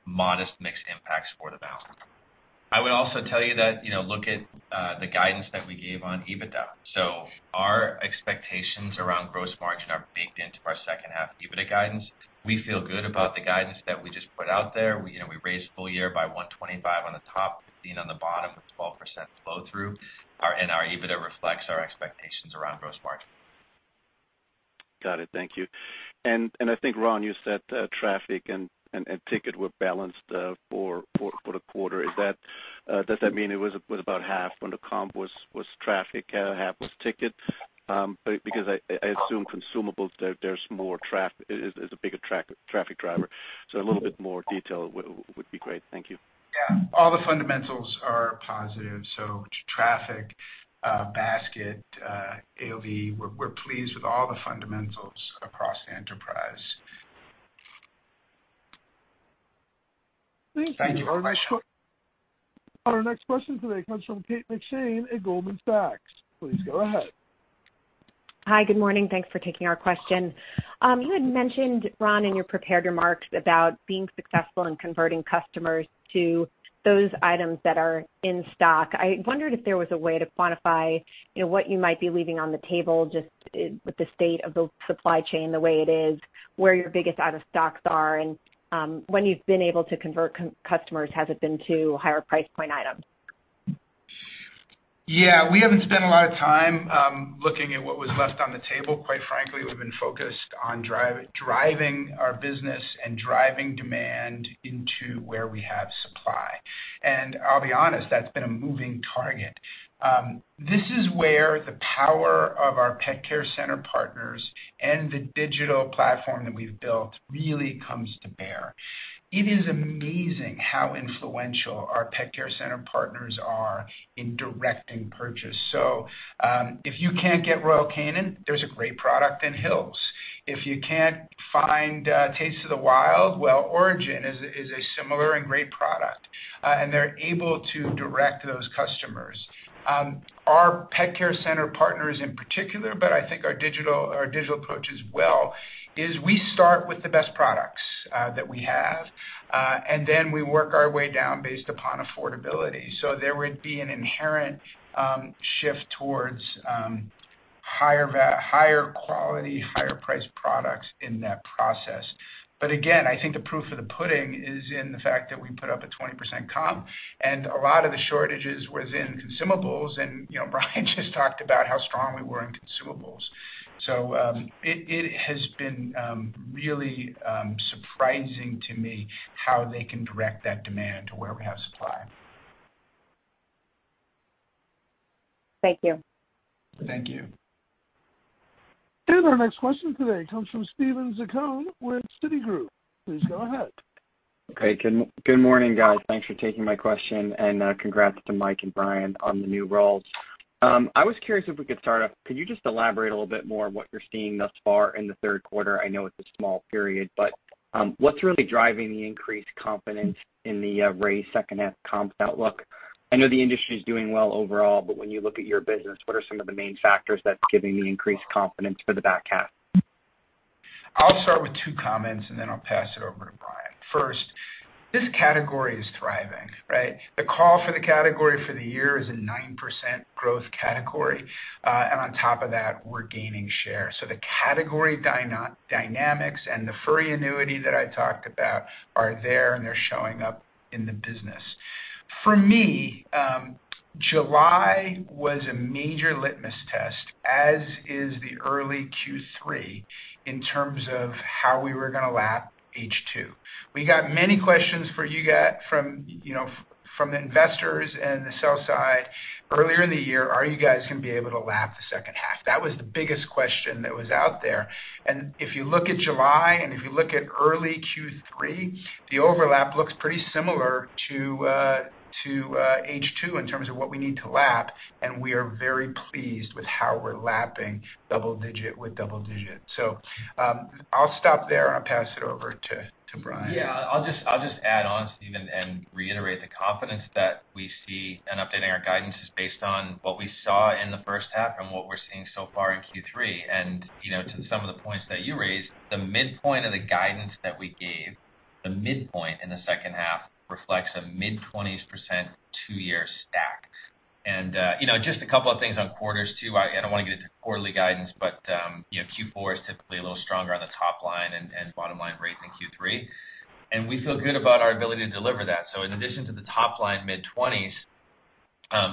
modest mix impacts for the balance. I would also tell you that, look at the guidance that we gave on EBITDA. Our expectations around gross margin are baked into our second half EBITDA guidance. We feel good about the guidance that we just put out there. We raised full year by $125 on the top, $15 on the bottom, with 12% flow-through, and our EBITDA reflects our expectations around gross margin. Got it. Thank you. I think, Ron, you said traffic and ticket were balanced for the quarter. Does that mean it was about half when the comp was traffic, half was ticket? I assume consumables, is a bigger traffic driver. A little bit more detail would be great. Thank you. Yeah. All the fundamentals are positive, so traffic, basket, AOV, we're pleased with all the fundamentals across the enterprise. Thank you for the question. Thank you. Our next question today comes from Kate McShane at Goldman Sachs. Please go ahead. Hi. Good morning. Thanks for taking our question. You had mentioned, Ron, in your prepared remarks about being successful in converting customers to those items that are in stock. I wondered if there was a way to quantify what you might be leaving on the table, just with the state of the supply chain the way it is, where your biggest out-of-stocks are, and when you've been able to convert customers, has it been to higher price point items? Yeah. We haven't spent a lot of time looking at what was left on the table, quite frankly. We've been focused on driving our business and driving demand into where we have supply. I'll be honest, that's been a moving target. This is where the power of our Pet Care Center partners and the digital platform that we've built really comes to bear. It is amazing how influential our Pet Care Center partners are in directing purchase. If you can't get Royal Canin, there's a great product in Hill's. If you can't find Taste of the Wild, well, Orijen is a similar and great product. They're able to direct those customers. Our Pet Care Center partners in particular, but I think our digital approach as well, is we start with the best products that we have, and then we work our way down based upon affordability. There would be an inherent shift towards higher quality, higher priced products in that process. Again, I think the proof of the pudding is in the fact that we put up a 20% comp, and a lot of the shortages was in consumables and Brian just talked about how strong we were in consumables. It has been really surprising to me how they can direct that demand to where we have supply. Thank you. Thank you. Our next question today comes from Steven Zaccone with Citigroup. Please go ahead. Okay. Good morning, guys. Thanks for taking my question, and congrats to Mike and Brian on the new roles. I was curious if we could start off, could you just elaborate a little more on what you're seeing thus far in the third quarter? I know it's a small period, but what's really driving the increased confidence in the raised second half comp outlook? I know the industry's doing well overall, but when you look at your business, what are some of the main factors that's giving the increased confidence for the back half? I'll start with two comments, and then I'll pass it over to Brian. First, this category is thriving, right? The call for the category for the year is a 9% growth category. On top of that, we're gaining share. The category dynamics and the furry annuity that I talked about are there, and they're showing up in the business. For me, July was a major litmus test, as is the early Q3, in terms of how we were going to lap H2. We got many questions from investors and the sell side earlier in the year. Are you guys going to be able to lap the second half? That was the biggest question that was out there. If you look at July and if you look at early Q3, the overlap looks pretty similar to H2 in terms of what we need to lap, and we are very pleased with how we're lapping double digit with double digit. I'll stop there and pass it over to Brian. I'll just add on, Steven, and reiterate the confidence that we see and updating our guidance is based on what we saw in the first half and what we're seeing so far in Q3. To some of the points that you raised, the midpoint of the guidance that we gave, the midpoint in the second half reflects a mid-20%, two-year stack. Just a couple of things on quarters, too. I don't want to get into quarterly guidance, but Q4 is typically a little stronger on the top line and bottom line rates in Q3, and we feel good about our ability to deliver that. In addition to the top line mid-20%.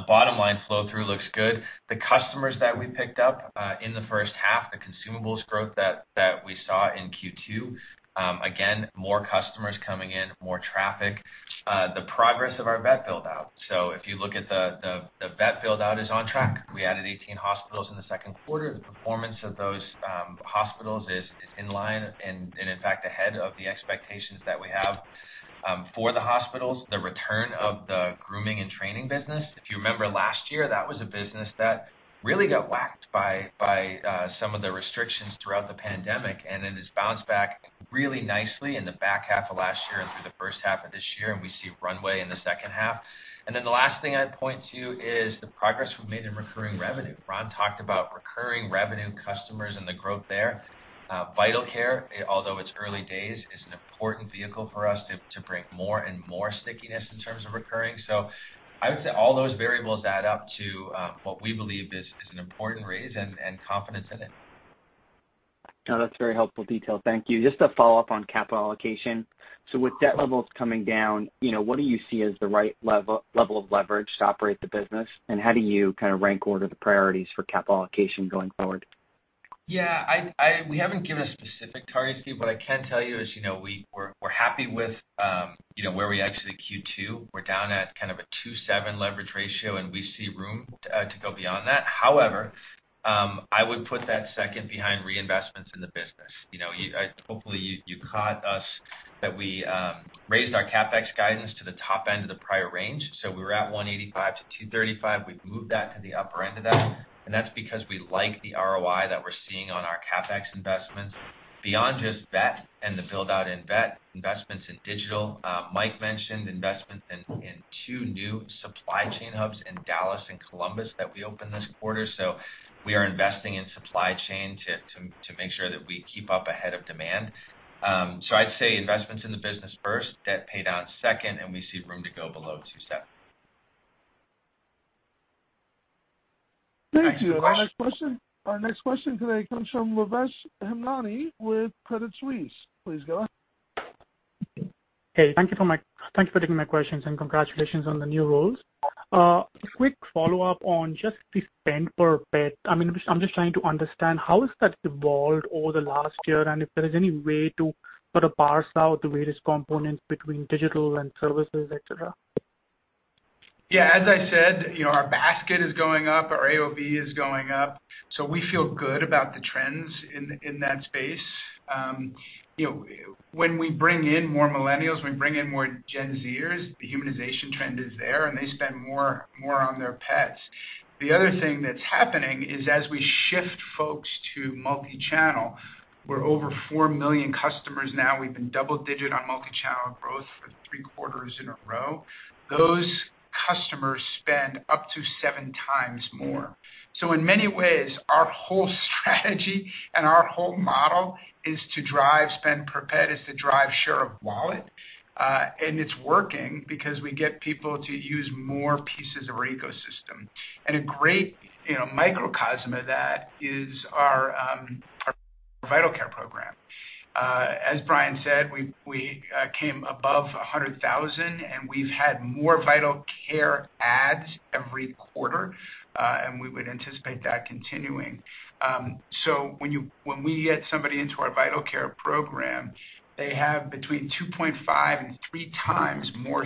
Bottom line flow through looks good. The customers that we picked up in the first half, the consumables growth that we saw in Q2, again, more customers coming in, more traffic. The progress of our vet build-out. If you look at the vet build-out is on track. We added 18 hospitals in the second quarter. The performance of those hospitals is in line, and in fact, ahead of the expectations that we have for the hospitals. The return of the grooming and training business. If you remember last year, that was a business that really got whacked by some of the restrictions throughout the pandemic, and it has bounced back really nicely in the back half of last year and through the first half of this year, and we see runway in the second half. The last thing I'd point to is the progress we've made in recurring revenue. Ron talked about recurring revenue customers and the growth there. Vital Care, although it's early days, is an important vehicle for us to bring more and more stickiness in terms of recurring. I would say all those variables add up to what we believe is an important raise and confidence in it. No, that's very helpful detail. Thank you. Just a follow-up on capital allocation. With debt levels coming down, what do you see as the right level of leverage to operate the business? How do you rank order the priorities for capital allocation going forward? We haven't given a specific target, Steven Zaccone, but I can tell you is we're happy with where we exited Q2. We're down at kind of a 2.7 leverage ratio, and I see room to go beyond that. I would put that second behind reinvestments in the business. Hopefully, you caught us that we raised our CapEx guidance to the top end of the prior range. We were at $185-$235. We've moved that to the upper end of that, and that's because we like the ROI that we're seeing on our CapEx investments. Beyond just Vetco and the build-out in Vetco, investments in digital. Mike Nuzzo mentioned investments in two new supply chain hubs in Dallas and Columbus that we opened this quarter. We are investing in supply chain to make sure that we keep up ahead of demand. I'd say investments in the business first, debt paid down second, and we see room to go below 2.7. Thank you. Our next question today comes from Lavesh Hemnani with Credit Suisse. Please go ahead. Hey, thank you for taking my questions, and congratulations on the new roles. A quick follow-up on just the spend per pet. I'm just trying to understand, how has that evolved over the last year, and if there is any way to sort of parse out the various components between digital and services, et cetera? As I said, our basket is going up, our AOV is going up. We feel good about the trends in that space. When we bring in more Millennials, we bring in more Gen Z-ers, the humanization trend is there. They spend more on their pets. The other thing that's happening is as we shift folks to multi-channel, we're over 4 million customers now. We've been double-digit on multi-channel growth for three quarters in a row. Those customers spend up to 7x more. In many ways, our whole strategy and our whole model is to drive spend per pet, is to drive share of wallet. It's working because we get people to use more pieces of our ecosystem. A great microcosm of that is our Vital Care program. As Brian said, we came above 100,000. We've had more Vital Care adds every quarter. We would anticipate that continuing. When we get somebody into our Vital Care program, they have between 2.5x and 3x more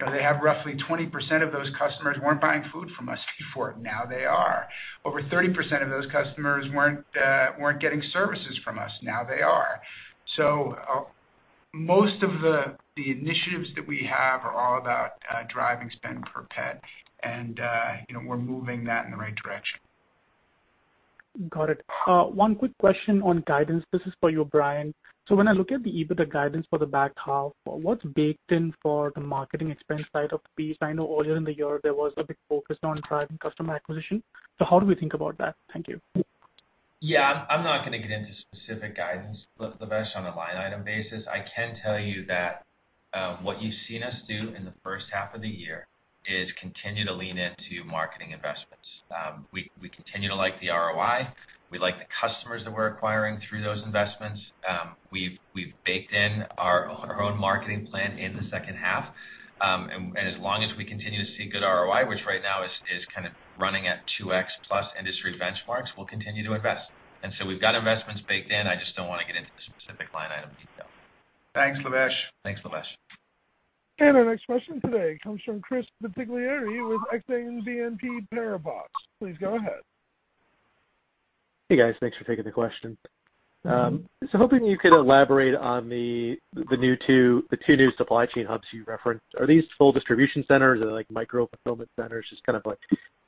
spend. Roughly 20% of those customers weren't buying food from us before, now they are. Over 30% of those customers weren't getting services from us, now they are. Most of the initiatives that we have are all about driving spend per pet. We're moving that in the right direction. Got it. One quick question on guidance. This is for you, Brian. When I look at the EBITDA guidance for the back half, what's baked in for the marketing expense side of the piece? I know earlier in the year, there was a big focus on driving customer acquisition. How do we think about that? Thank you. I'm not going to get into specific guidance, Lavesh, on a line item basis. I can tell you that what you've seen us do in the first half of the year is continue to lean into marketing investments. We continue to like the ROI. We like the customers that we're acquiring through those investments. We've baked in our own marketing plan in the second half. As long as we continue to see good ROI, which right now is kind of running at 2x plus industry benchmarks, we'll continue to invest. We've got investments baked in. I just don't want to get into the specific line item detail. Thanks, Lavesh. Thanks, Lavesh. Our next question today comes from Chris Bottiglieri with Exane BNP Paribas. Please go ahead. Hey, guys. Thanks for taking the question. Hoping you could elaborate on the two new supply chain hubs you referenced. Are these full distribution centers? Are they micro-fulfillment centers? Just kind of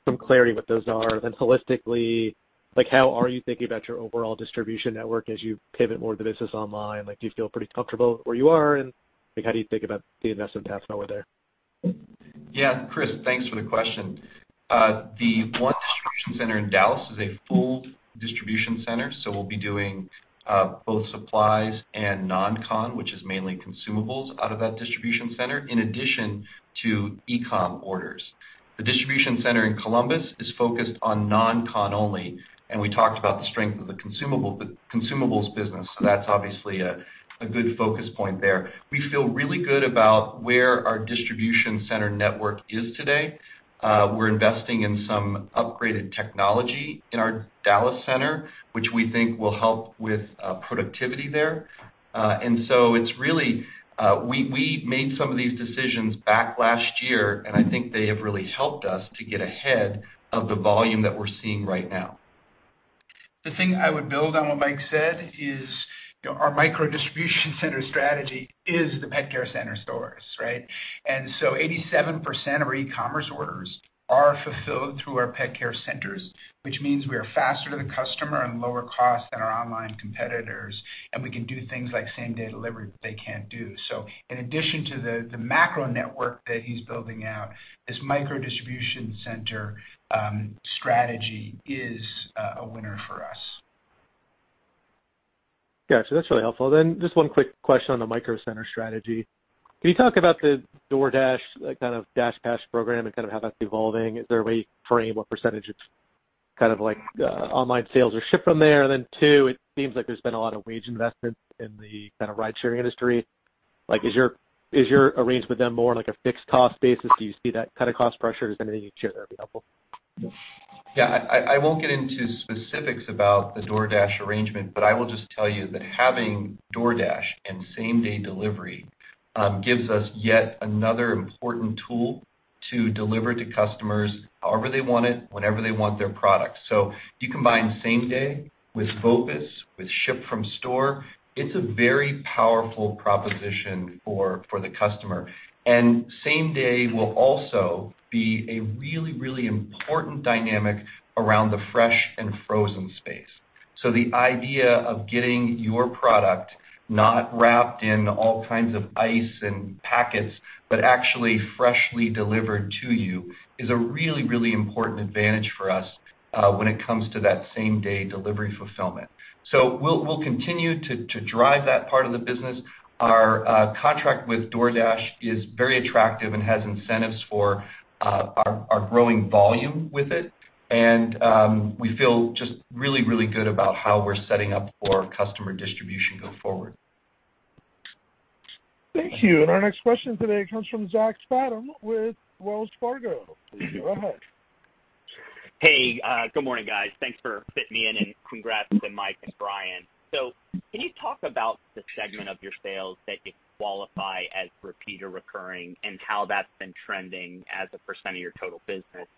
some clarity what those are. Holistically, how are you thinking about your overall distribution network as you pivot more of the business online? Do you feel pretty comfortable where you are, and how do you think about the investment path going there? Chris, thanks for the question. The one distribution center in Dallas is a full distribution center, so we'll be doing both supplies and non-con, which is mainly consumables, out of that distribution center, in addition to e-com orders. Distribution center in Columbus is focused on non-con only, and we talked about the strength of the consumables business, so that's obviously a good focus point there. We feel really good about where our distribution center network is today. We're investing in some upgraded technology in our Dallas center, which we think will help with productivity there. We made some of these decisions back last year, and I think they have really helped us to get ahead of the volume that we're seeing right now. The thing I would build on what Mike said is our micro distribution center strategy is the pet care center stores. 87% of our e-commerce orders are fulfilled through our pet care centers, which means we are faster to the customer and lower cost than our online competitors, and we can do things like same-day delivery that they can't do. In addition to the macro network that he's building out, this micro distribution center strategy is a winner for us. Got you. That's really helpful. Just one quick question on the micro center strategy. Can you talk about the DoorDash, kind of DashPass program and kind of how that's evolving? Is there a way you can frame what percentage of online sales are shipped from there? Two, it seems like there's been a lot of wage investment in the rideshare industry. Is your arrangement with them more on a fixed cost basis? Do you see that kind of cost pressure? Is there anything you can share there that'd be helpful? Yeah. I won't get into specifics about the DoorDash arrangement, but I will just tell you that having DoorDash and same-day delivery gives us yet another important tool to deliver to customers however they want it, whenever they want their product. You combine same-day with BOPUS, with ship from store, it's a very powerful proposition for the customer. Same-day will also be a really, really important dynamic around the fresh and frozen space. The idea of getting your product not wrapped in all kinds of ice and packets, but actually freshly delivered to you is a really, really important advantage for us when it comes to that same-day delivery fulfillment. We'll continue to drive that part of the business. Our contract with DoorDash is very attractive and has incentives for our growing volume with it. We feel just really, really good about how we're setting up for customer distribution going forward. Thank you. Our next question today comes from Zach Fadem with Wells Fargo. Please go ahead. Hey, good morning, guys. Thanks for fitting me in, and congrats to Mike Nuzzo and Brian LaRose. Can you talk about the segment of your sales that you qualify as repeat or recurring, and how that's been trending as a percent of your total business?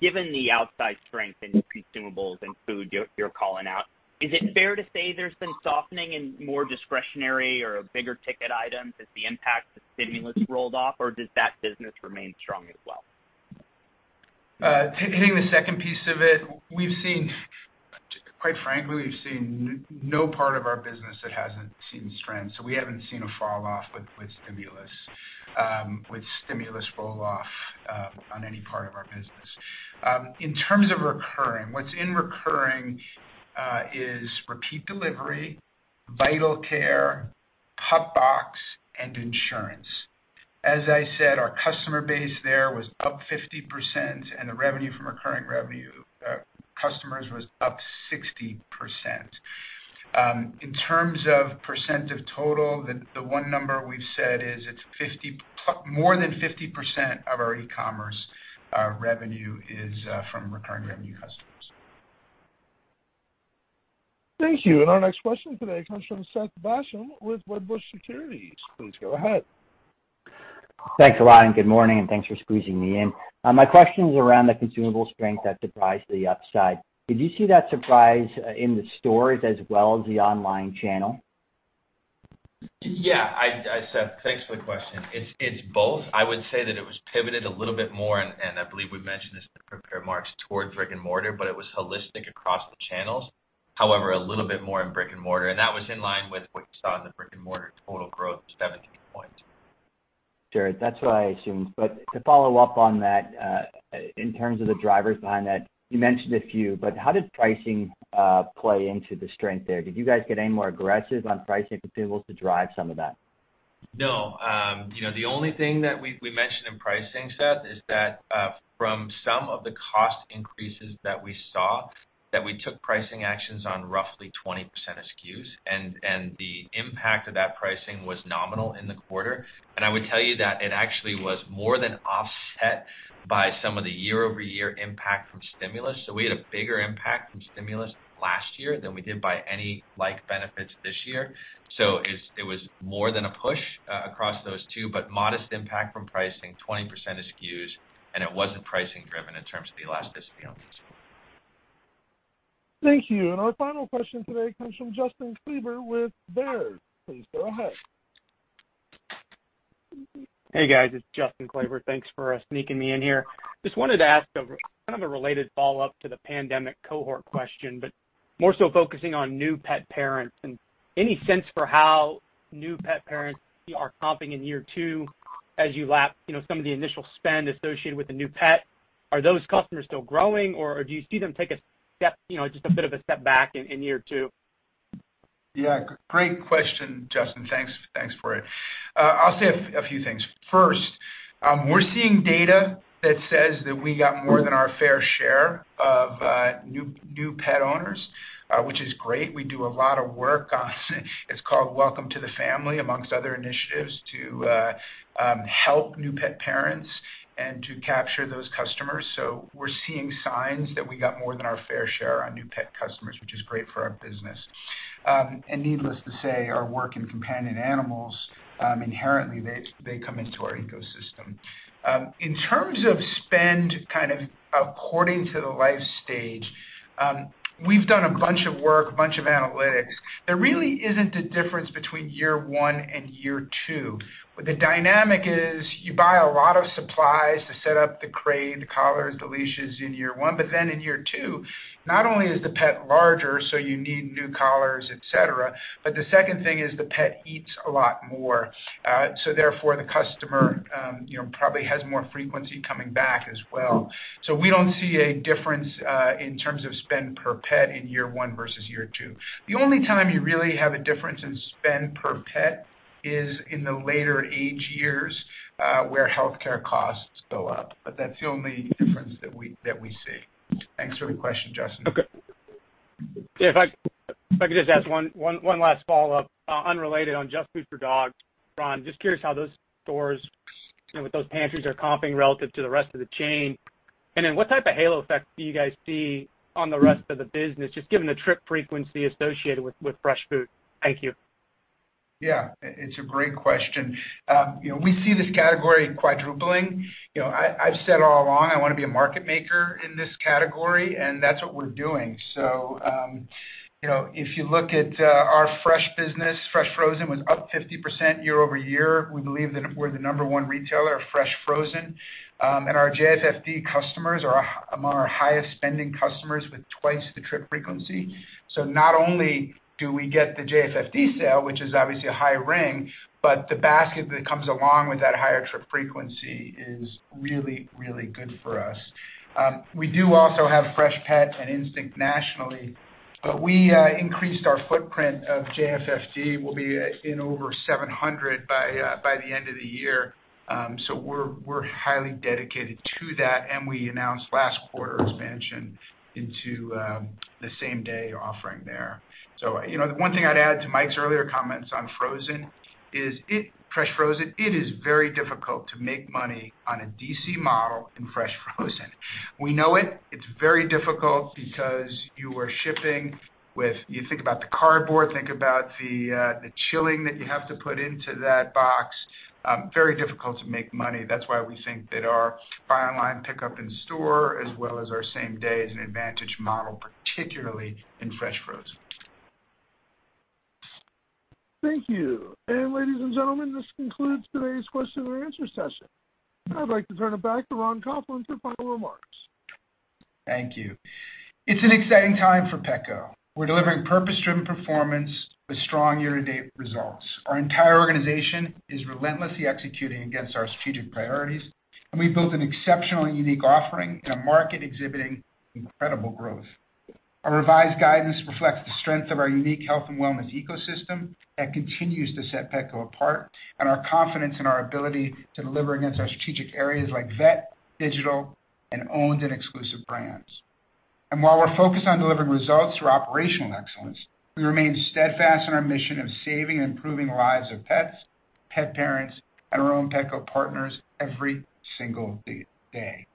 Given the outsized strength in consumables and food you're calling out, is it fair to say there's been softening in more discretionary or bigger ticket items as the impact of stimulus rolled off, or does that business remain strong as well? Hitting the second piece of it, quite frankly, we've seen no part of our business that hasn't seen strength. We haven't seen a fall off with stimulus roll-off on any part of our business. In terms of recurring, what's in recurring is repeat delivery, Vital Care, PupBox, and insurance. As I said, our customer base there was up 50%, and the revenue from recurring revenue customers was up 60%. In terms of percent of total, the one number we've said is it's more than 50% of our e-commerce revenue is from recurring revenue customers. Thank you. Our next question today comes from Seth Basham with Wedbush Securities. Please go ahead. Thanks a lot, and good morning, and thanks for squeezing me in. My question is around the consumable strength that surprised the upside. Did you see that surprise in the stores as well as the online channel? Yeah. Seth, thanks for the question. It's both. I would say that it was pivoted a little bit more, and I believe we mentioned this in the prepared remarks, towards brick and mortar, but it was holistic across the channels. However, a little bit more in brick and mortar, and that was in line with what you saw in the brick and mortar total growth of 17 points. Sure. That's what I assumed. To follow up on that, in terms of the drivers behind that, you mentioned a few, but how did pricing play into the strength there? Did you guys get any more aggressive on pricing consumables to drive some of that? No. The only thing that we mentioned in pricing, Seth, is that from some of the cost increases that we saw, that we took pricing actions on roughly 20% of SKUs, and the impact of that pricing was nominal in the quarter. I would tell you that it actually was more than offset by some of the year-over-year impact from stimulus. We had a bigger impact from stimulus last year than we did by any like benefits this year. It was more than a push across those two, but modest impact from pricing 20% of SKUs, and it wasn't pricing driven in terms of the elasticity on this. Thank you. Our final question today comes from Justin Kleber with Baird. Please go ahead. Hey, guys. It's Justin Kleber. Thanks for sneaking me in here. Just wanted to ask kind of a related follow-up to the pandemic cohort question, but more so focusing on new pet parents, and any sense for how new pet parents are comping in year two as you lap some of the initial spend associated with the new pet. Are those customers still growing, or do you see them take just a bit of a step back in year two? Yeah. Great question, Justin. Thanks for it. I'll say a few things. First, we're seeing data that says that we got more than our fair share of new pet owners, which is great. We do a lot of work on it's called Welcome to the Family, amongst other initiatives, to help new pet parents and to capture those customers. We're seeing signs that we got more than our fair share on new pet customers, which is great for our business. Needless to say, our work in companion animals, inherently, they come into our ecosystem. In terms of spend, kind of according to the life stage, we've done a bunch of work, a bunch of analytics. There really isn't a difference between year one and year two. The dynamic is you buy a lot of supplies to set up the crate, the collars, the leashes in year one. In year two, not only is the pet larger, so you need new collars, et cetera, but the second thing is the pet eats a lot more. Therefore, the customer probably has more frequency coming back as well. We don't see a difference in terms of spend per pet in year one versus year two. The only time you really have a difference in spend per pet is in the later age years, where healthcare costs go up. That's the only difference that we see. Thanks for the question, Justin. Okay. If I could just ask one last follow-up, unrelated, on JustFoodForDogs, Ron. Just curious how those stores, with those pantries, are comping relative to the rest of the chain. What type of halo effect do you guys see on the rest of the business, just given the trip frequency associated with fresh food? Thank you. Yeah, it's a great question. We see this category quadrupling. I've said all along, I want to be a market maker in this category. That's what we're doing. If you look at our fresh business, fresh frozen was up 50% year-over-year. We believe that we're the number one retailer of fresh frozen. Our JFFD customers are among our highest-spending customers with twice the trip frequency. Not only do we get the JFFD sale, which is obviously a high ring, the basket that comes along with that higher trip frequency is really, really good for us. We do also have Freshpet and Instinct nationally, we increased our footprint of JFFD, we'll be in over 700 by the end of the year. We're highly dedicated to that. We announced last quarter expansion into the same-day offering there. The one thing I'd add to Mike Nuzzo's earlier comments on fresh frozen, it is very difficult to make money on a DC model in fresh frozen. We know it. It's very difficult because you are shipping. You think about the cardboard, think about the chilling that you have to put into that box. Very difficult to make money. That's why we think that our buy online, pick up in store, as well as our same-day, is an advantage model, particularly in fresh frozen. Thank you. Ladies and gentlemen, this concludes today's question-and-answer session. I'd like to turn it back to Ron Coughlin for final remarks. Thank you. It's an exciting time for Petco. We're delivering purpose-driven performance with strong year-to-date results. Our entire organization is relentlessly executing against our strategic priorities, and we've built an exceptional and unique offering in a market exhibiting incredible growth. Our revised guidance reflects the strength of our unique health and wellness ecosystem that continues to set Petco apart, and our confidence in our ability to deliver against our strategic areas like vet, digital, and owned and exclusive brands. While we're focused on delivering results through operational excellence, we remain steadfast in our mission of saving and improving lives of pets, pet parents, and our own Petco partners every single day.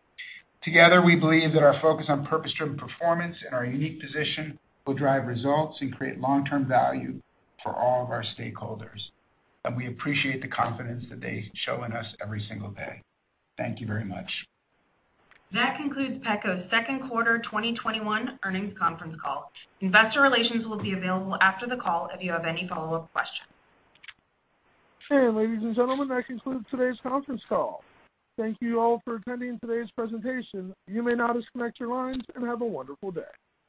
Together, we believe that our focus on purpose-driven performance and our unique position will drive results and create long-term value for all of our stakeholders, and we appreciate the confidence that they show in us every single day. Thank you very much. That concludes Petco's second quarter 2021 earnings conference call. Investor relations will be available after the call if you have any follow-up questions. Ladies and gentlemen, that concludes today's conference call. Thank you all for attending today's presentation. You may now disconnect your lines and have a wonderful day.